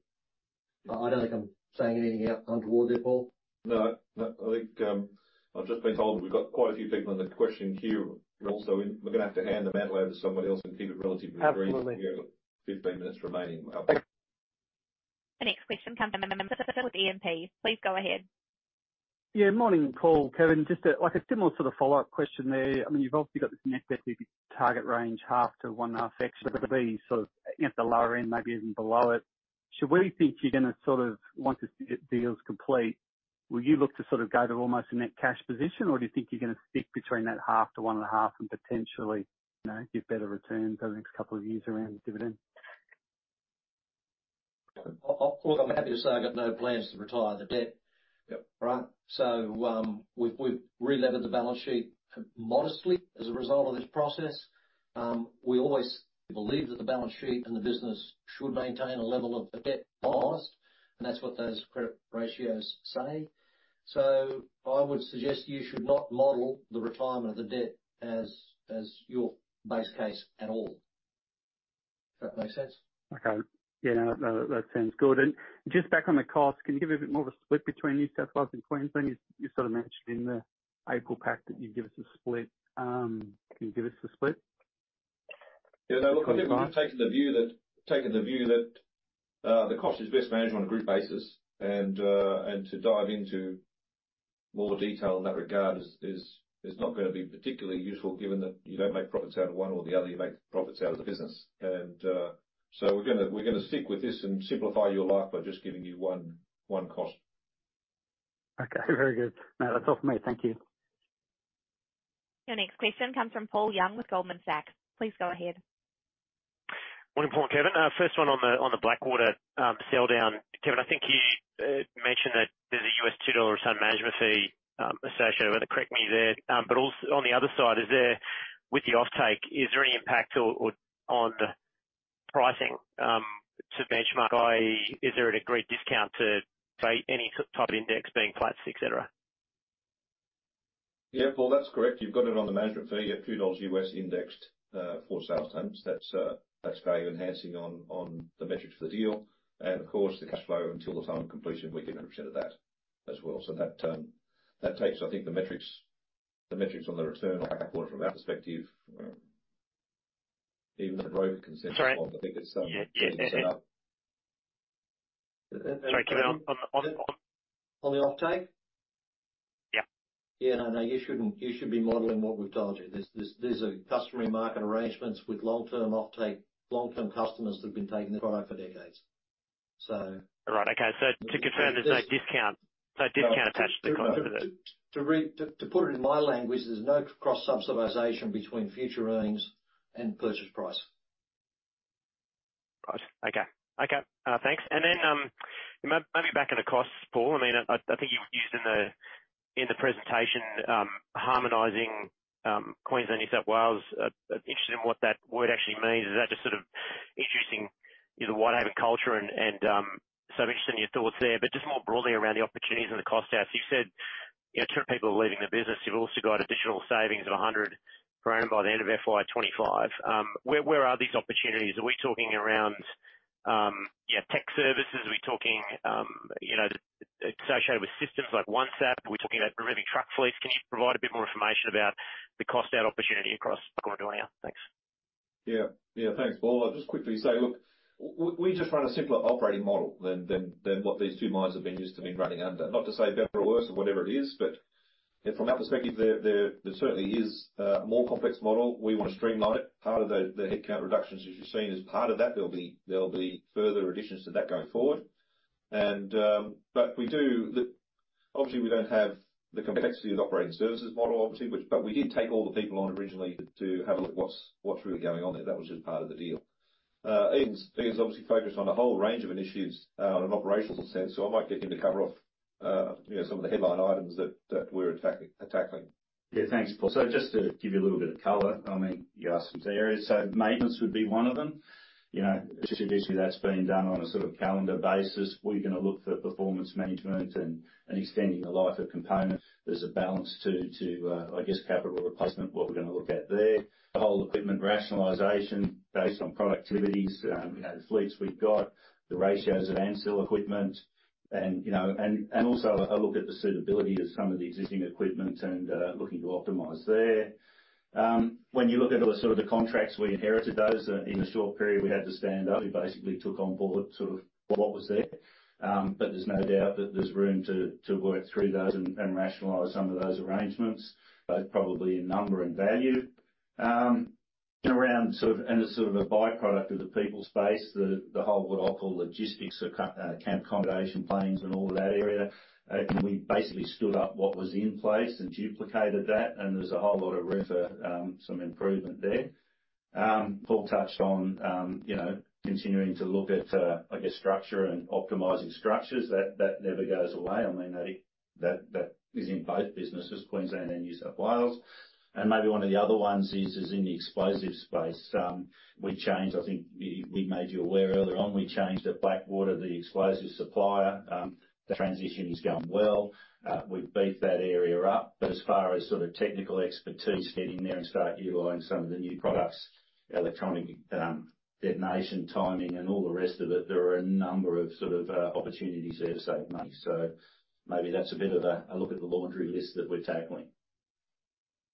But I don't think I'm saying anything out of turn there, Paul. No, no, I think, I've just been told we've got quite a few people in the questioning queue also. We're gonna have to hand the baton over to somebody else and keep it relatively brief. Absolutely. We have got fifteen minutes remaining. The next question comes in from Lyndon Fagan with JPMorgan. Please go ahead. Yeah, morning, Paul, Kevin. Just, like, a similar sort of follow-up question there. I mean, you've obviously got this net debt target range, 0.5-1.5 actually, sort of, at the lower end, maybe even below it. Should we think you're gonna sort of, once this deal is complete, will you look to sort of go to almost a net cash position? Or do you think you're gonna stick between that 0.5-1.5 and potentially, you know, give better returns over the next couple of years around dividend? Well, look, I'm happy to say I've got no plans to retire the debt. Yep. Right? So, we've relevered the balance sheet modestly as a result of this process. We always believed that the balance sheet and the business should maintain a level of debt past, and that's what those credit ratios say. So I would suggest you should not model the retirement of the debt as your base case at all. Does that make sense? Okay. Yeah, no, that sounds good. And just back on the cost, can you give a bit more of a split between New South Wales and Queensland? You, you sort of mentioned in the April pack that you'd give us a split. Can you give us the split? Yeah, look, we've taken the view that the cost is best managed on a group basis. And to dive into more detail in that regard is not gonna be particularly useful, given that you don't make profits out of one or the other, you make profits out of the business. And so we're gonna stick with this and simplify your life by just giving you one cost. Okay, very good. Now, that's all from me. Thank you. Your next question comes from Paul Young with Goldman Sachs. Please go ahead. Morning, Paul and Kevin. First one on the Blackwater sell down. Kevin, I think you mentioned that there's a US$2/t management fee associated with it. Correct me there. But also, on the other side, is there, with the offtake, is there any impact or on the pricing to benchmark by? Is there a great discount to, say, any type of index being Platts, et cetera? Yeah, Paul, that's correct. You've got it on the management fee, a few US dollars indexed for sales terms. That's value-enhancing on the metrics for the deal. And of course, the cash flow until the time of completion, we get 100% of that as well. So that takes, I think, the metrics on the return from that perspective. Even the broker can see it. Sorry. I think it's set up. Yeah. Sorry, come out on the- On the offtake? Yeah. Yeah, no, no, you shouldn't. You should be modeling what we've told you. There's a customary market arrangements with long-term offtake, long-term customers that have been taking the product for decades. So- Right. Okay. So to confirm, there's no discount, no discount attached to the- To put it in my language, there's no cross-subsidization between future earnings and purchase price. Got you. Okay. Thanks. And then, maybe back on the costs, Paul. I mean, I think you used in the presentation, harmonizing, Queensland, New South Wales. I'm interested in what that word actually means. Is that just sort of introducing the Whitehaven culture and, so I'm interested in your thoughts there, but just more broadly around the opportunities and the cost out. You said, you know, two people are leaving the business. You've also got additional savings of 100 million program by the end of FY 2025. Where are these opportunities? Are we talking around, yeah, tech services? Are we talking, you know, associated with systems like OneSAP? Are we talking about removing truck fleets? Can you provide a bit more information about the cost out opportunity across Daunia? Thanks. Yeah. Yeah, thanks, Paul. I'll just quickly say, look, we just run a simpler operating model than what these two mines have been used to been running under. Not to say better or worse or whatever it is, but from our perspective, there certainly is a more complex model. We want to streamline it. Part of the headcount reductions, as you've seen, as part of that, there'll be further additions to that going forward. And, but we do. Look, obviously, we don't have the complexity of the operating services model, obviously, which, but we did take all the people on originally to have a look at what's really going on there. That was just part of the deal. Ian's obviously focused on a whole range of initiatives on an operational sense, so I might get him to cover off, you know, some of the headline items that we're attacking. Yeah. Thanks, Paul. So just to give you a little bit of color, I mean, you asked some areas, so maintenance would be one of them. You know, traditionally, that's been done on a sort of calendar basis. We're going to look for performance management and extending the life of components. There's a balance to, I guess, capital replacement, what we're going to look at there. The whole equipment rationalization based on productivities, you know, the fleets we've got, the ratios of ancillary equipment and, you know, and also a look at the suitability of some of the existing equipment and looking to optimize there. When you look at the sort of the contracts, we inherited those, in a short period, we had to stand up. We basically took on board sort of what was there. But there's no doubt that there's room to work through those and rationalize some of those arrangements, both probably in number and value. Around sort of, and as sort of a by-product of the people space, the whole what I'll call logistics of camp accommodation, planes, and all of that area. We basically stood up what was in place and duplicated that, and there's a whole lot of room for some improvement there. Paul touched on, you know, continuing to look at, I guess, structure and optimizing structures. That never goes away. I mean, that is in both businesses, Queensland and New South Wales. Maybe one of the other ones is in the explosives space. We changed. I think we made you aware earlier on, we changed at Blackwater, the explosives supplier. The transition is going well. We've beefed that area up. But as far as sort of technical expertise, get in there and start utilizing some of the new products, electronic, detonation, timing, and all the rest of it, there are a number of sort of, opportunities there to save money. So maybe that's a bit of a look at the laundry list that we're tackling.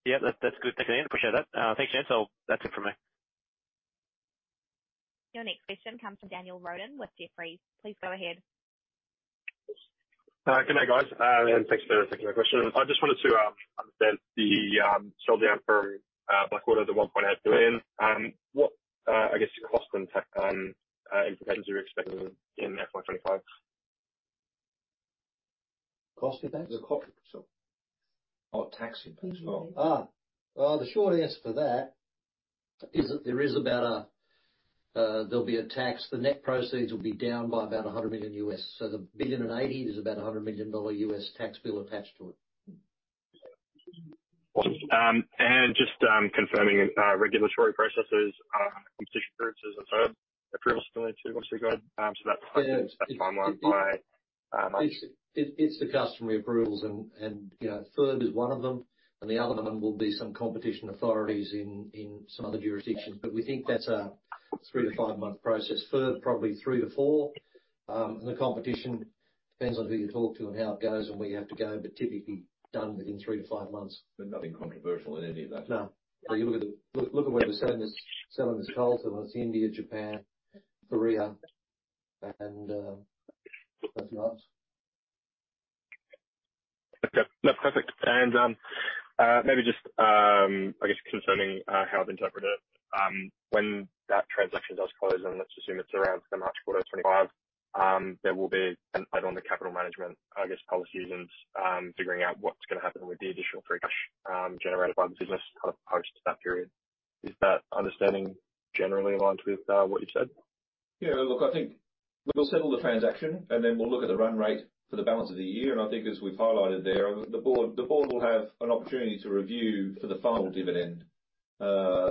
Yeah, that's good. I appreciate that. Thanks, gents. So that's it for me. Your next question comes from Daniel Roden with Jefferies. Please go ahead. Good day, guys, and thanks for taking my question. I just wanted to understand the sell down from Blackwater, the 1.8 billion. What, I guess, the cost and tax implications are you expecting in FY 2025? Cost impact? The cost- Oh, tax impact. The short answer for that is that there'll be a tax. The net proceeds will be down by about $100 million. So $1.08 billion is about a $100 million tax bill attached to it. And just confirming regulatory processes, competition purposes, and FIRB approval still need to once we go, so that's timeline by. It's the customary approvals, and you know, FIRB is one of them, and the other one will be some competition authorities in some other jurisdictions. But we think that's a three- to five-month process. FIRB, probably three to four, and the competition depends on who you talk to and how it goes and where you have to go, but typically done within three to five months. There's nothing controversial in any of that. No. But you look at where we're selling this coal to. It's India, Japan, Korea, and that's about it. Okay. That's perfect. And, maybe just, I guess confirming, how I've interpreted it, when that transaction does close, and let's assume it's around the March quarter of 2025, there will be an item on the capital management, I guess, policies and, figuring out what's going to happen with the additional free cash, generated by the business kind of post that period. Is that understanding generally in line with, what you've said? Yeah. Look, I think we'll settle the transaction, and then we'll look at the run rate for the balance of the year. And I think as we've highlighted there, the board will have an opportunity to review for the final dividend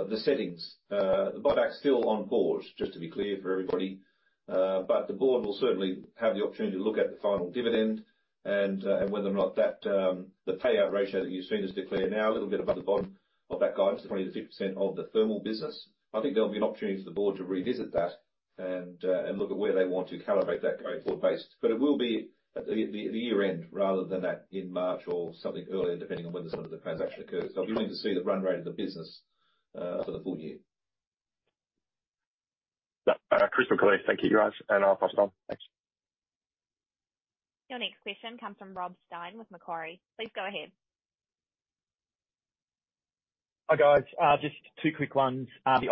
the settings. The buyback's still on pause, just to be clear for everybody, but the board will certainly have the opportunity to look at the final dividend and whether or not that the payout ratio that you've seen us declare now, a little bit above the bottom of that guidance, the 20%-50% of the thermal business. I think there'll be an opportunity for the board to revisit that and look at where they want to calibrate that grade for base. But it will be at the year-end, rather than in March or something earlier, depending on whether some of the transaction occurs. So you'll need to see the run rate of the business for the full year. Crystal clear. Thank you, guys, and I'll pass it on. Thanks. Your next question comes from Rob Stein with Macquarie. Please go ahead. Hi, guys. Just two quick ones. The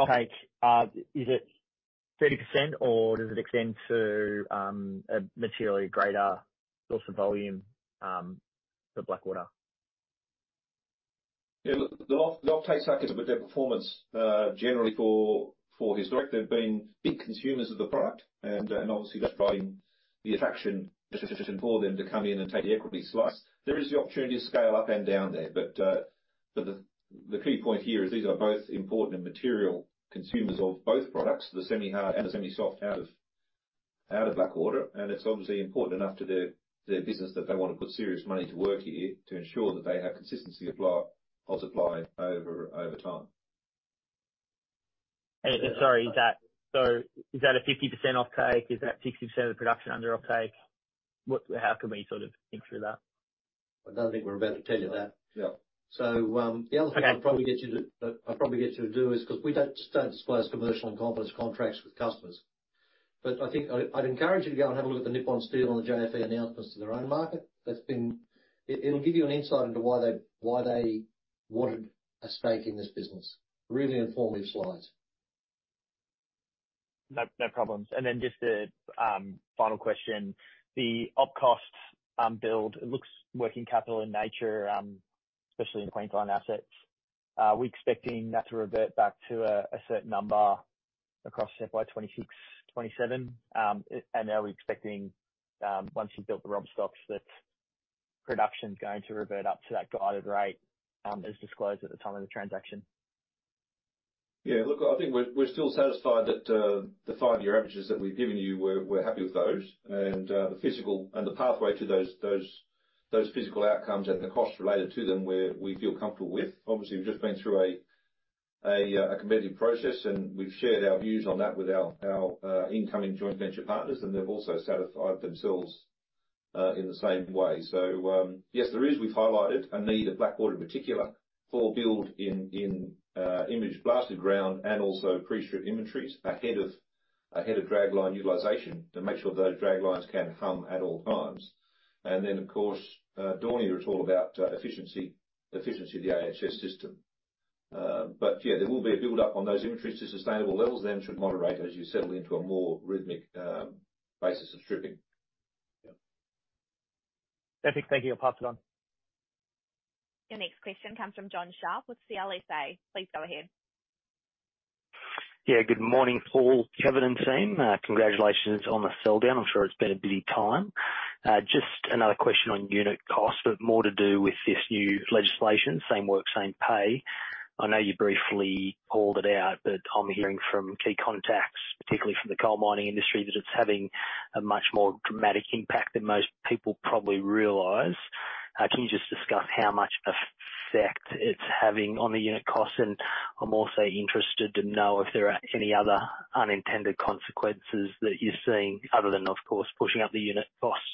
offtake, is it 30%, or does it extend to a materially greater source of volume for Blackwater? Yeah, look, the offtake stack is a bit different performance, generally for historic. They've been big consumers of the product, and obviously that's driving the attraction for them to come in and take the equity slice. There is the opportunity to scale up and down there, but the key point here is these are both important and material consumers of both products, the semi-hard and the semi-soft, out of Blackwater. And it's obviously important enough to their business that they want to put serious money to work here to ensure that they have consistency of supply over time. Sorry, is that a 50% offtake? Is that 60% of the production under offtake? How can we sort of think through that? I don't think we're about to tell you that. Yeah. So, the other thing- Okay I'll probably get you to do is, because we don't disclose commercial in confidence contracts with customers. But I think I'd encourage you to go and have a look at the Nippon Steel and the JFE announcements to their own market. That's been. It'll give you an insight into why they wanted a stake in this business. Really inform these slides. No, no problems. And then just a final question. The OpEx costs build, it looks working capital in nature, especially in Queensland assets. Are we expecting that to revert back to a certain number across FY 2026, 2027? And are we expecting, once you've built the ROM stocks, that production is going to revert up to that guided rate, as disclosed at the time of the transaction? Yeah, look, I think we're still satisfied that the five-year averages that we've given you, we're happy with those. And the physical and the pathway to those physical outcomes and the cost related to them, we're, we feel comfortable with. Obviously, we've just been through a competitive process, and we've shared our views on that with our incoming joint venture partners, and they've also satisfied themselves in the same way. So, yes, there is. We've highlighted a need at Blackwater in particular for build in in-situ blasted ground and also pre-strip inventories ahead of dragline utilization, to make sure those draglines can hum at all times. And then, of course, Daunia is all about efficiency of the AHS system. But yeah, there will be a build-up on those inventories to sustainable levels, then should moderate as you settle into a more rhythmic basis of stripping. Yeah. Perfect. Thank you. I'll pass it on. Your next question comes from Jon Sharp with CLSA. Please go ahead. Yeah, good morning, Paul, Kevin, and team. Congratulations on the sell down. I'm sure it's been a busy time. Just another question on unit cost, but more to do with this new legislation, Same Job, Same Pay. I know you briefly called it out, but I'm hearing from key contacts, particularly from the coal mining industry, that it's having a much more dramatic impact than most people probably realize. Can you just discuss how much effect it's having on the unit costs? And I'm also interested to know if there are any other unintended consequences that you're seeing, other than, of course, pushing up the unit costs.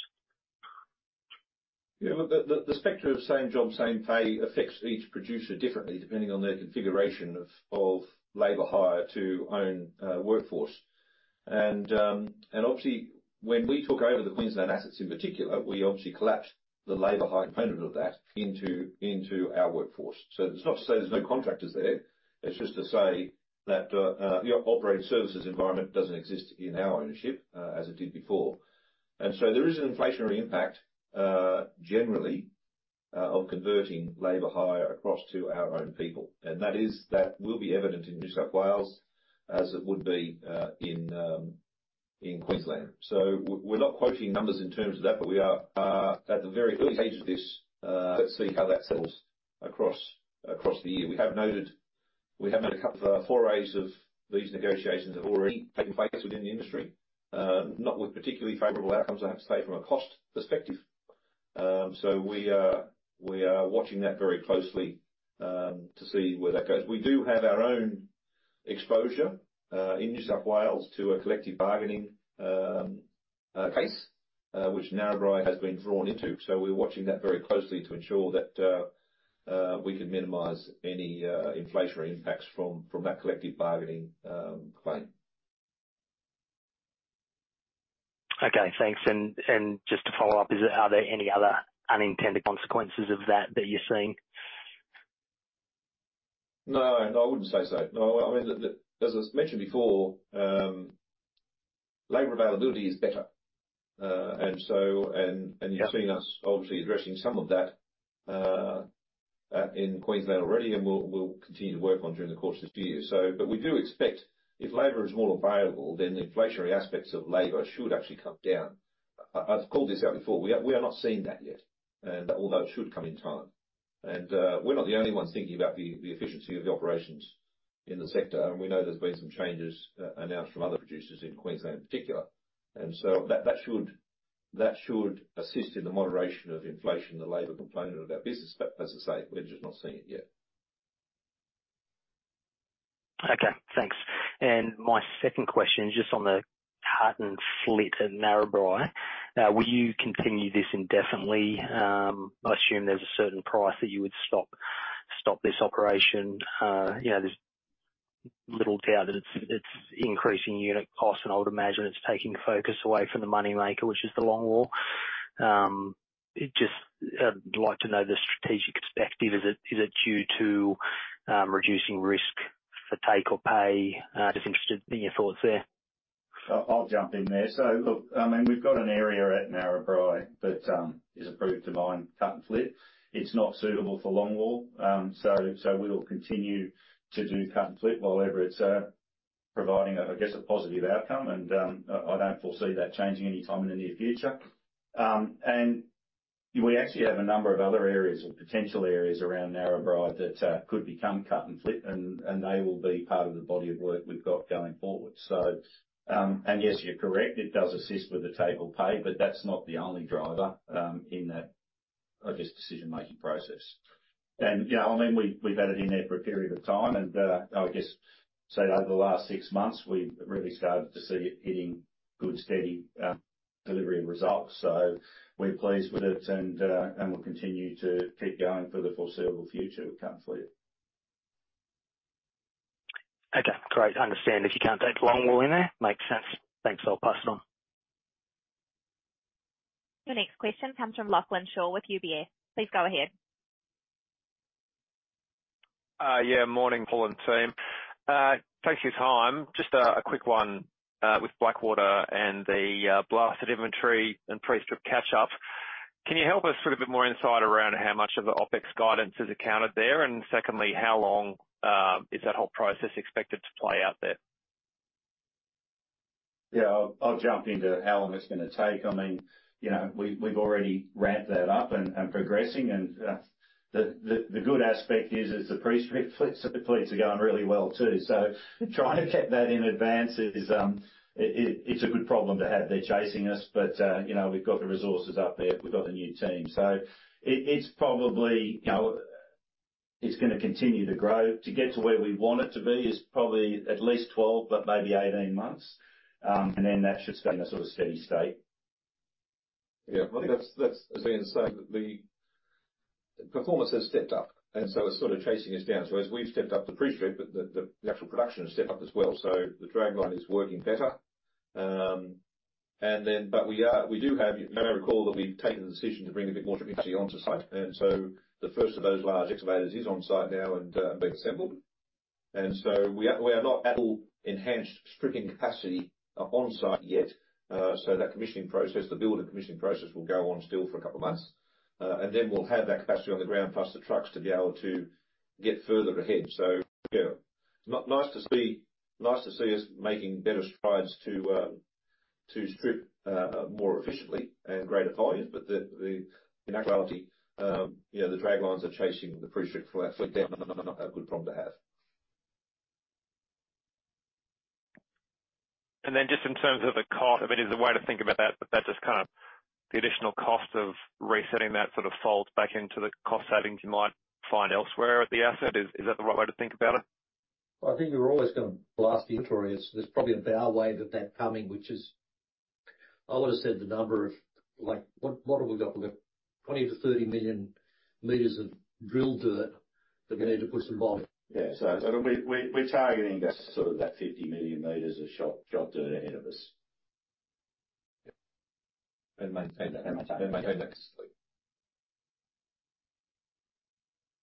Yeah, look, the spectrum of Same Job, Same Pay affects each producer differently depending on their configuration of labor hire to own workforce. And obviously when we took over the Queensland assets in particular, we obviously collapsed the labor hire component of that into our workforce. So it's not to say there's no contractors there, it's just to say that a operated services environment doesn't exist in our ownership, as it did before. And so there is an inflationary impact, generally, on converting labor hire across to our own people. And that will be evident in New South Wales, as it would be in Queensland. So we're not quoting numbers in terms of that, but we are at the very early stage of this. Let's see how that settles across the year. We have noted, we have had a couple of forays of these negotiations have already taken place within the industry, not with particularly favorable outcomes, I have to say, from a cost perspective. So we are watching that very closely to see where that goes. We do have our own exposure in New South Wales to a collective bargaining case, which Narrabri has been drawn into. So we're watching that very closely to ensure that we can minimize any inflationary impacts from that collective bargaining claim. Okay, thanks, and just to follow up, is there, are there any other unintended consequences of that, that you're seeing? No, no, I wouldn't say so. No, I mean, As I mentioned before, labor availability is better. And so, and- Yeah and you've seen us obviously addressing some of that in Queensland already, and we'll continue to work on during the course of this year. So, but we do expect if labor is more available, then the inflationary aspects of labor should actually come down. I've called this out before, we are not seeing that yet. And although it should come in time. And we're not the only ones thinking about the efficiency of the operations in the sector. And we know there's been some changes announced from other producers in Queensland in particular. And so that should assist in the moderation of inflation, the labor component of our business. But as I say, we're just not seeing it yet. Okay, thanks. And my second question is just on the cut and fill at Narrabri. Will you continue this indefinitely? I assume there's a certain price that you would stop this operation. You know, there's little doubt that it's increasing unit cost, and I would imagine it's taking focus away from the money maker, which is the longwall. It just, I'd like to know the strategic perspective. Is it due to reducing risk for take-or-pay? Just interested in your thoughts there. I'll jump in there. So look, I mean, we've got an area at Narrabri that is approved to mine, cut and fill. It's not suitable for longwall. So we'll continue to do cut and fill while ever it's providing, I guess, a positive outcome. And I don't foresee that changing anytime in the near future. And we actually have a number of other areas or potential areas around Narrabri that could become cut and fill, and they will be part of the body of work we've got going forward. So and yes, you're correct, it does assist with the take or pay, but that's not the only driver in that, I guess, decision-making process. And, you know, I mean, we've had it in there for a period of time, and I guess, say over the last six months, we've really started to see it hitting good, steady delivery results. So we're pleased with it, and we'll continue to keep going for the foreseeable future with cut and fill. Okay, great. Understand if you can't take longwall in there. Makes sense. Thanks. I'll pass it on. Your next question comes from Lachlan Shaw with UBS. Please go ahead. Yeah, morning, Paul and team. Thanks for your time. Just a quick one with Blackwater and the blasted inventory and pre-strip catch-up. Can you help us with a bit more insight around how much of the OpEx guidance is accounted there? And secondly, how long is that whole process expected to play out there? Yeah, I'll jump into how long it's going to take. I mean, you know, we've already ramped that up and progressing, and the good aspect is the pre-strip first strips are going really well, too. So trying to keep that in advance is it, it's a good problem to have. They're chasing us, but you know, we've got the resources up there. We've got the new team. So it's probably, you know, it's going to continue to grow. To get to where we want it to be is probably at least twelve, but maybe eighteen months. And then that should stay in a sort of steady state. Yeah. I think that's, as has been said, the performance has stepped up, and so it's sort of chasing us down. So as we've stepped up the pre-strip, the actual production has stepped up as well, so the dragline is working better. And then, but we do have. You may recall that we've taken the decision to bring a bit more capacity onto site. So the first of those large excavators is on site now and being assembled. So we have not had all enhanced stripping capacity on site yet. So that commissioning process, the build and commissioning process, will go on still for a couple of months. And then we'll have that capacity on the ground, plus the trucks to be able to get further ahead. Yeah, nice to see us making better strides to strip more efficiently and greater volumes. But in actuality, you know, the draglines are chasing the pre-strip for that, so not a good problem to have. And then just in terms of the cost, I mean, is the way to think about that, but that just kind of the additional cost of resetting that sort of falls back into the cost savings you might find elsewhere at the asset. Is that the right way to think about it? I think we're always going to blast inventory. There's probably a better way that's coming, which is... I would have said the number of, like, what have we got? We've got 20-30 million meters of drilled dirt that we need to put some bottom. Yeah. So we're targeting that, sort of that 50 million meters of shot dirt ahead of us. Yep, and maintain that.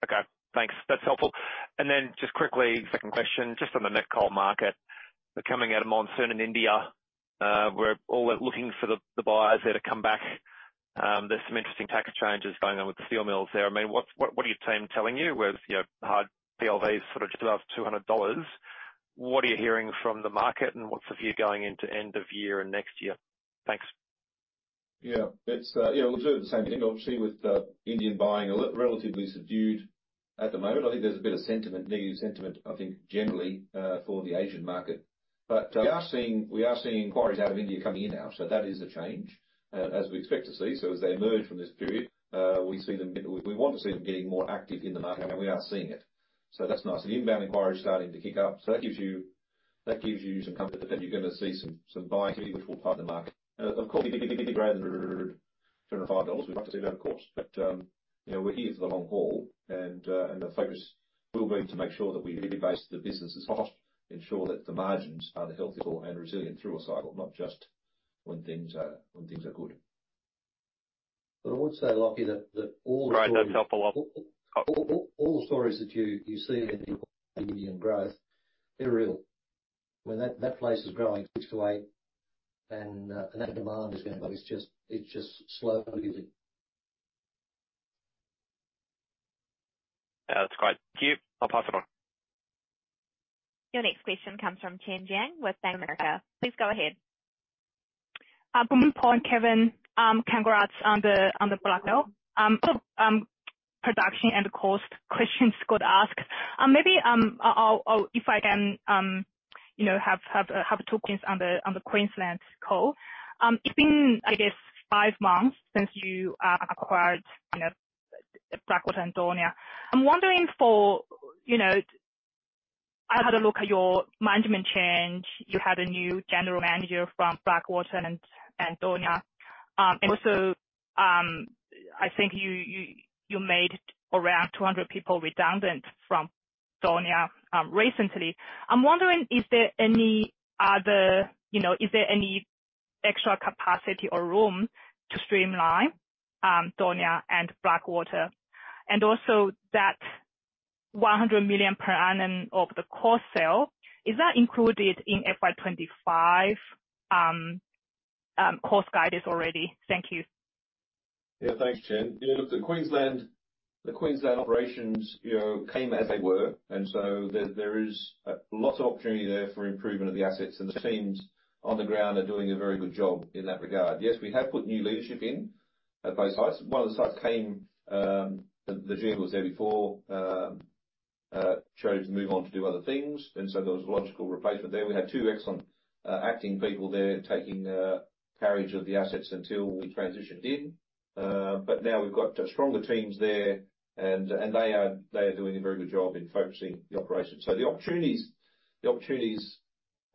Okay, thanks. That's helpful. And then just quickly, second question, just on the met coal market. We're coming out of monsoon in India. We're all looking for the buyers there to come back. There's some interesting package changes going on with the steel mills there. I mean, what are your team telling you? With, you know, hard PLVs, sort of just above $200, what are you hearing from the market, and what's the view going into end of year and next year? Thanks. Yeah, it's yeah, we'll do the same thing, obviously, with Indian buying relatively subdued at the moment. I think there's a bit of sentiment, negative sentiment, I think, generally, for the Asian market. But we are seeing inquiries out of India coming in now, so that is a change, as we expect to see. So as they emerge from this period, we see them. We want to see them getting more active in the market, and we are seeing it. So that's nice. The inbound inquiry is starting to kick up, so that gives you some comfort that then you're going to see some buying activity which will pump the market. Of course, $105, we'd like to see that, of course, but you know, we're here for the long haul. And the focus will be to make sure that we rebase the business as well, ensure that the margins are healthy and resilient through a cycle, not just when things are good. But I would say, Lachie, that all the- Great. That's helpful. All the stories that you see in Indian growth, they're real. When that place is growing six to eight and that demand is going by, it's just slowly building. That's great. Thank you. I'll pass it on. Your next question comes from Chen Jiang with Bank of America. Please go ahead. Paul and Kevin, congrats on the Blackwater. Production and cost questions got asked. Maybe, if I can,... you know, have two points on the Queensland coal. It's been, I guess, 5 months since you acquired, you know, Blackwater and Daunia. I'm wondering, you know, I had a look at your management change. You had a new general manager from Blackwater and Daunia. And also, I think you made around 200 people redundant from Daunia recently. I'm wondering, is there any other, you know, is there any extra capacity or room to streamline Daunia and Blackwater? And also that 100 million per annum of the cost savings, is that included in FY 2025 cost guidance already? Thank you. Yeah. Thanks, Chen. Yeah, look, the Queensland, the Queensland operations, you know, came as they were, and so there, there is a lot of opportunity there for improvement of the assets, and the teams on the ground are doing a very good job in that regard. Yes, we have put new leadership in at both sites. One of the sites came, the GM was there before, chose to move on to do other things, and so there was a logical replacement there. We had two excellent acting people there taking carriage of the assets until we transitioned in. But now we've got stronger teams there, and they are doing a very good job in focusing the operation. The opportunities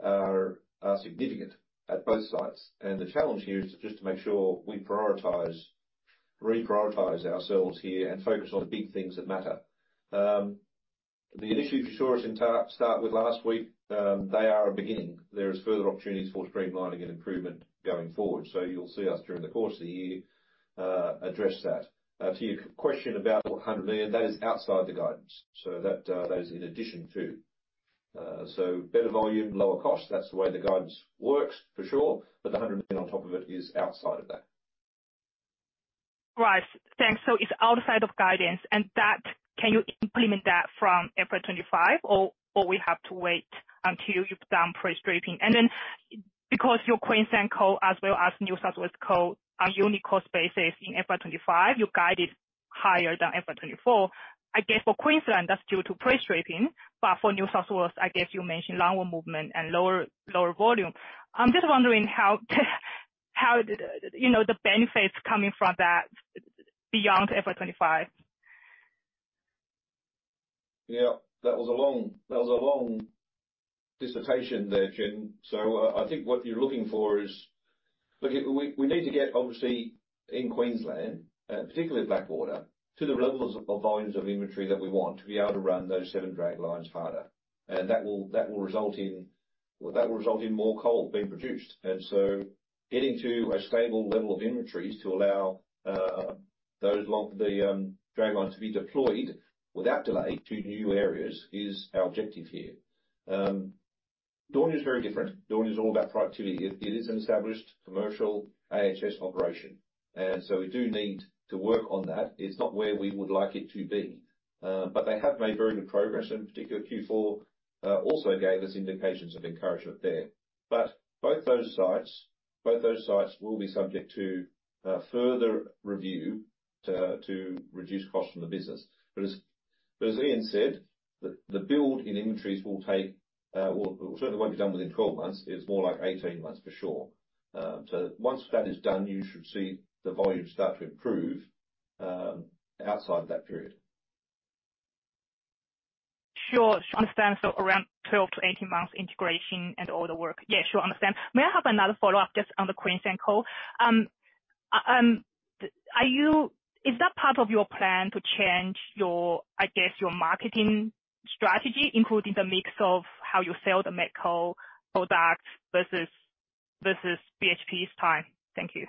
are significant at both sites, and the challenge here is just to make sure we prioritize, reprioritize ourselves here and focus on the big things that matter. The initiatives for sure is to start with last week, they are a beginning. There is further opportunities for streamlining and improvement going forward. You'll see us, during the course of the year, address that. To your question about 100 million, that is outside the guidance, so that is in addition to. Better volume, lower cost, that's the way the guidance works, for sure, but the 100 million on top of it is outside of that. Right. Thanks. So it's outside of guidance, and that, can you implement that from April 2025, or we have to wait until you've done pre-stripping? And then, because your Queensland coal, as well as New South Wales coal, are unique cost bases in April 2025, you guided higher than April 2024. I guess for Queensland, that's due to pre-stripping, but for New South Wales, I guess you mentioned longwall movement and lower volume. I'm just wondering how, you know, the benefits coming from that beyond April 2025. Yeah, that was a long, that was a long dissertation there, Chen. So, I think what you're looking for is. Look, we need to get, obviously, in Queensland, particularly Blackwater, to the levels of volumes of inventory that we want to be able to run those seven draglines harder. And that will result in more coal being produced. And so getting to a stable level of inventories to allow those draglines to be deployed without delay to new areas is our objective here. Daunia is very different. Daunia is all about productivity. It is an established commercial AHS operation, and so we do need to work on that. It's not where we would like it to be, but they have made very good progress, and particularly Q4 also gave us indications of encouragement there. But both those sites will be subject to further review to reduce costs from the business. But as Ian said, the build in inventories will take well, it certainly won't be done within twelve months. It's more like eighteen months for sure. So once that is done, you should see the volume start to improve outside that period. Sure, sure. Understand, so around 12-18 months integration and all the work. Yeah, sure, understand. May I have another follow-up just on the Queensland coal? Are you-- Is that part of your plan to change your, I guess, your marketing strategy, including the mix of how you sell the met coal product versus, versus BHP's time? Thank you.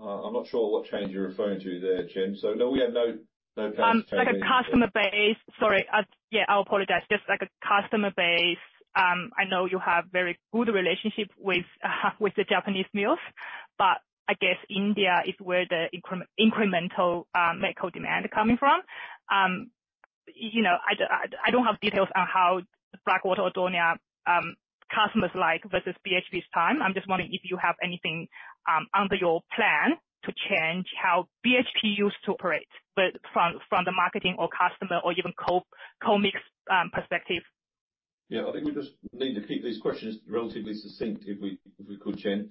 I'm not sure what change you're referring to there, Chen. So no, we have no plans- Sorry. Yeah, I apologize. Just like a customer base. I know you have very good relationship with the Japanese mills, but I guess India is where the incremental met coal demand are coming from. You know, I don't have details on how Blackwater or Daunia customers like versus BHP's time. I'm just wondering if you have anything under your plan to change how BHP used to operate, but from the marketing or customer or even co-mix perspective. Yeah, I think we just need to keep these questions relatively succinct, if we could, Chen.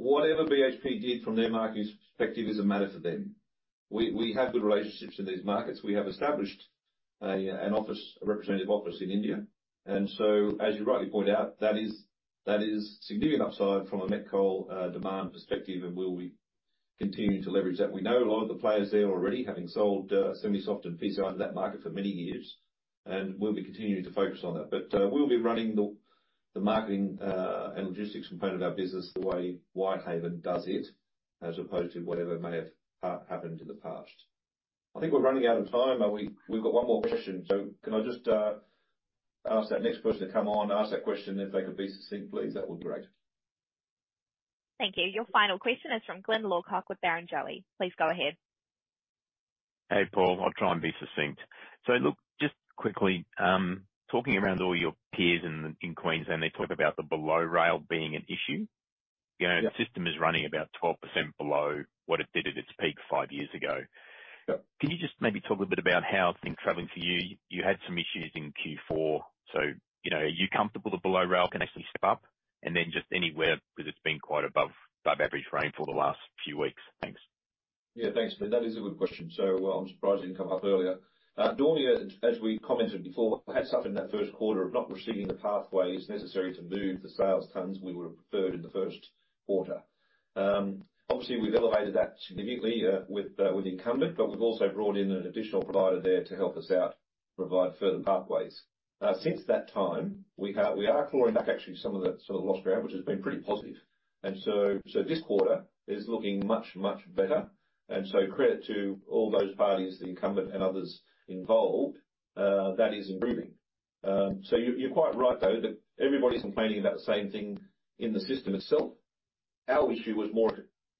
Whatever BHP did from their market perspective is a matter for them. We have good relationships in these markets. We have established an office, a representative office in India, and so, as you rightly point out, that is significant upside from a met coal demand perspective, and we'll be continuing to leverage that. We know a lot of the players there already, having sold semi-soft and PCI into that market for many years, and we'll be continuing to focus on that. But we'll be running the marketing and logistics component of our business the way Whitehaven does it, as opposed to whatever may have happened in the past. I think we're running out of time. We've got one more question. So can I just ask that next person to come on, ask that question? If they could be succinct, please, that would be great. Thank you. Your final question is from Glyn Lawcock with Barrenjoey. Please go ahead. Hey, Paul. I'll try and be succinct. So look, just quickly, talking around all your peers in Queensland, they talk about the below rail being an issue. You know, the system is running about 12% below what it did at its peak five years ago. Yep. Can you just maybe talk a little bit about how things are traveling for you? You had some issues in Q4, so, you know, are you comfortable that below rail can actually step up? And then just anywhere, because it's been quite above average rainfall the last few weeks. Thanks. Yeah, thanks, Glyn. That is a good question, so, well, I'm surprised it didn't come up earlier. Daunia, as we commented before, had suffered in that first quarter of not receiving the pathways necessary to move the sales tons we would have preferred in the first quarter. Obviously, we've elevated that significantly, with the incumbent, but we've also brought in an additional provider there to help us out, provide further pathways. Since that time, we are clawing back actually some of that sort of lost ground, which has been pretty positive. This quarter is looking much, much better. Credit to all those parties, the incumbent and others involved, that is improving. You're quite right, though, that everybody's complaining about the same thing in the system itself. Our issue was more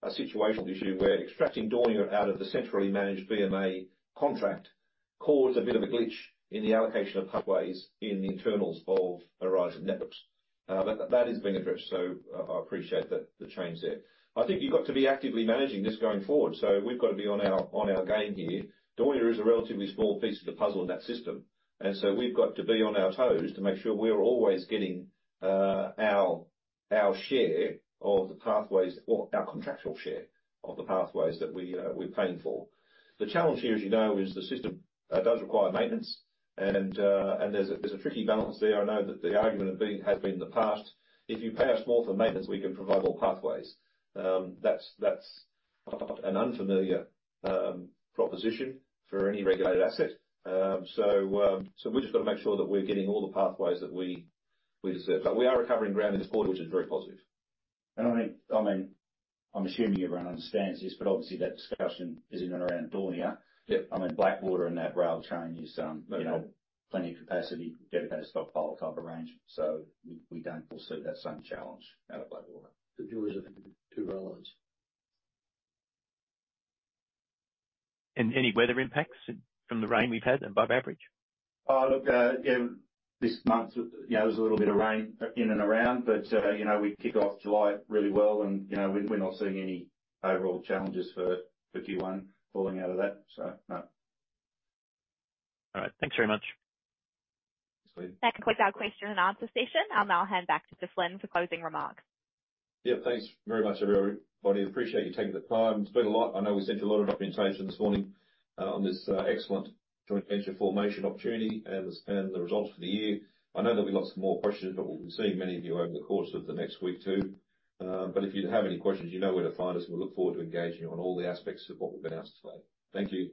a situational issue, where extracting Daunia out of the centrally managed BMA contract caused a bit of a glitch in the allocation of pathways in the internals of Aurizon Network. But that is being addressed, so I appreciate the change there. I think you've got to be actively managing this going forward, so we've got to be on our game here. Daunia is a relatively small piece of the puzzle in that system, and so we've got to be on our toes to make sure we're always getting our share of the pathways or our contractual share of the pathways that we're paying for. The challenge here, as you know, is the system does require maintenance, and there's a tricky balance there. I know that the argument have been, has been in the past: if you pay us more for maintenance, we can provide more pathways. That's an unfamiliar proposition for any regulated asset. So we've just got to make sure that we're getting all the pathways that we deserve. But we are recovering ground in the quarter, which is very positive. And I think, I mean, I'm assuming everyone understands this, but obviously that discussion is in and around Daunia. Yep. I mean, Blackwater and that rail train is, you know, plenty of capacity, dedicated stockpile type of range. So we don't foresee that same challenge out of Blackwater. The joys of two railways. And any weather impacts from the rain we've had and above average? Oh, look, yeah, this month, you know, there's a little bit of rain in and around, but, you know, we kick off July really well, and, you know, we're not seeing any overall challenges for Q1 falling out of that. So, no. All right, thanks very much. Thanks, Glyn. That concludes our question and answer session. I'll now hand back to Glyn for closing remarks. Yeah. Thanks very much, everybody. Appreciate you taking the time. It's been a lot. I know we sent you a lot of orientation this morning, on this excellent joint venture formation opportunity and the results for the year. I know there'll be lots more questions, but we'll be seeing many of you over the course of the next week, too, but if you have any questions, you know where to find us, and we look forward to engaging you on all the aspects of what we've been asked today. Thank you.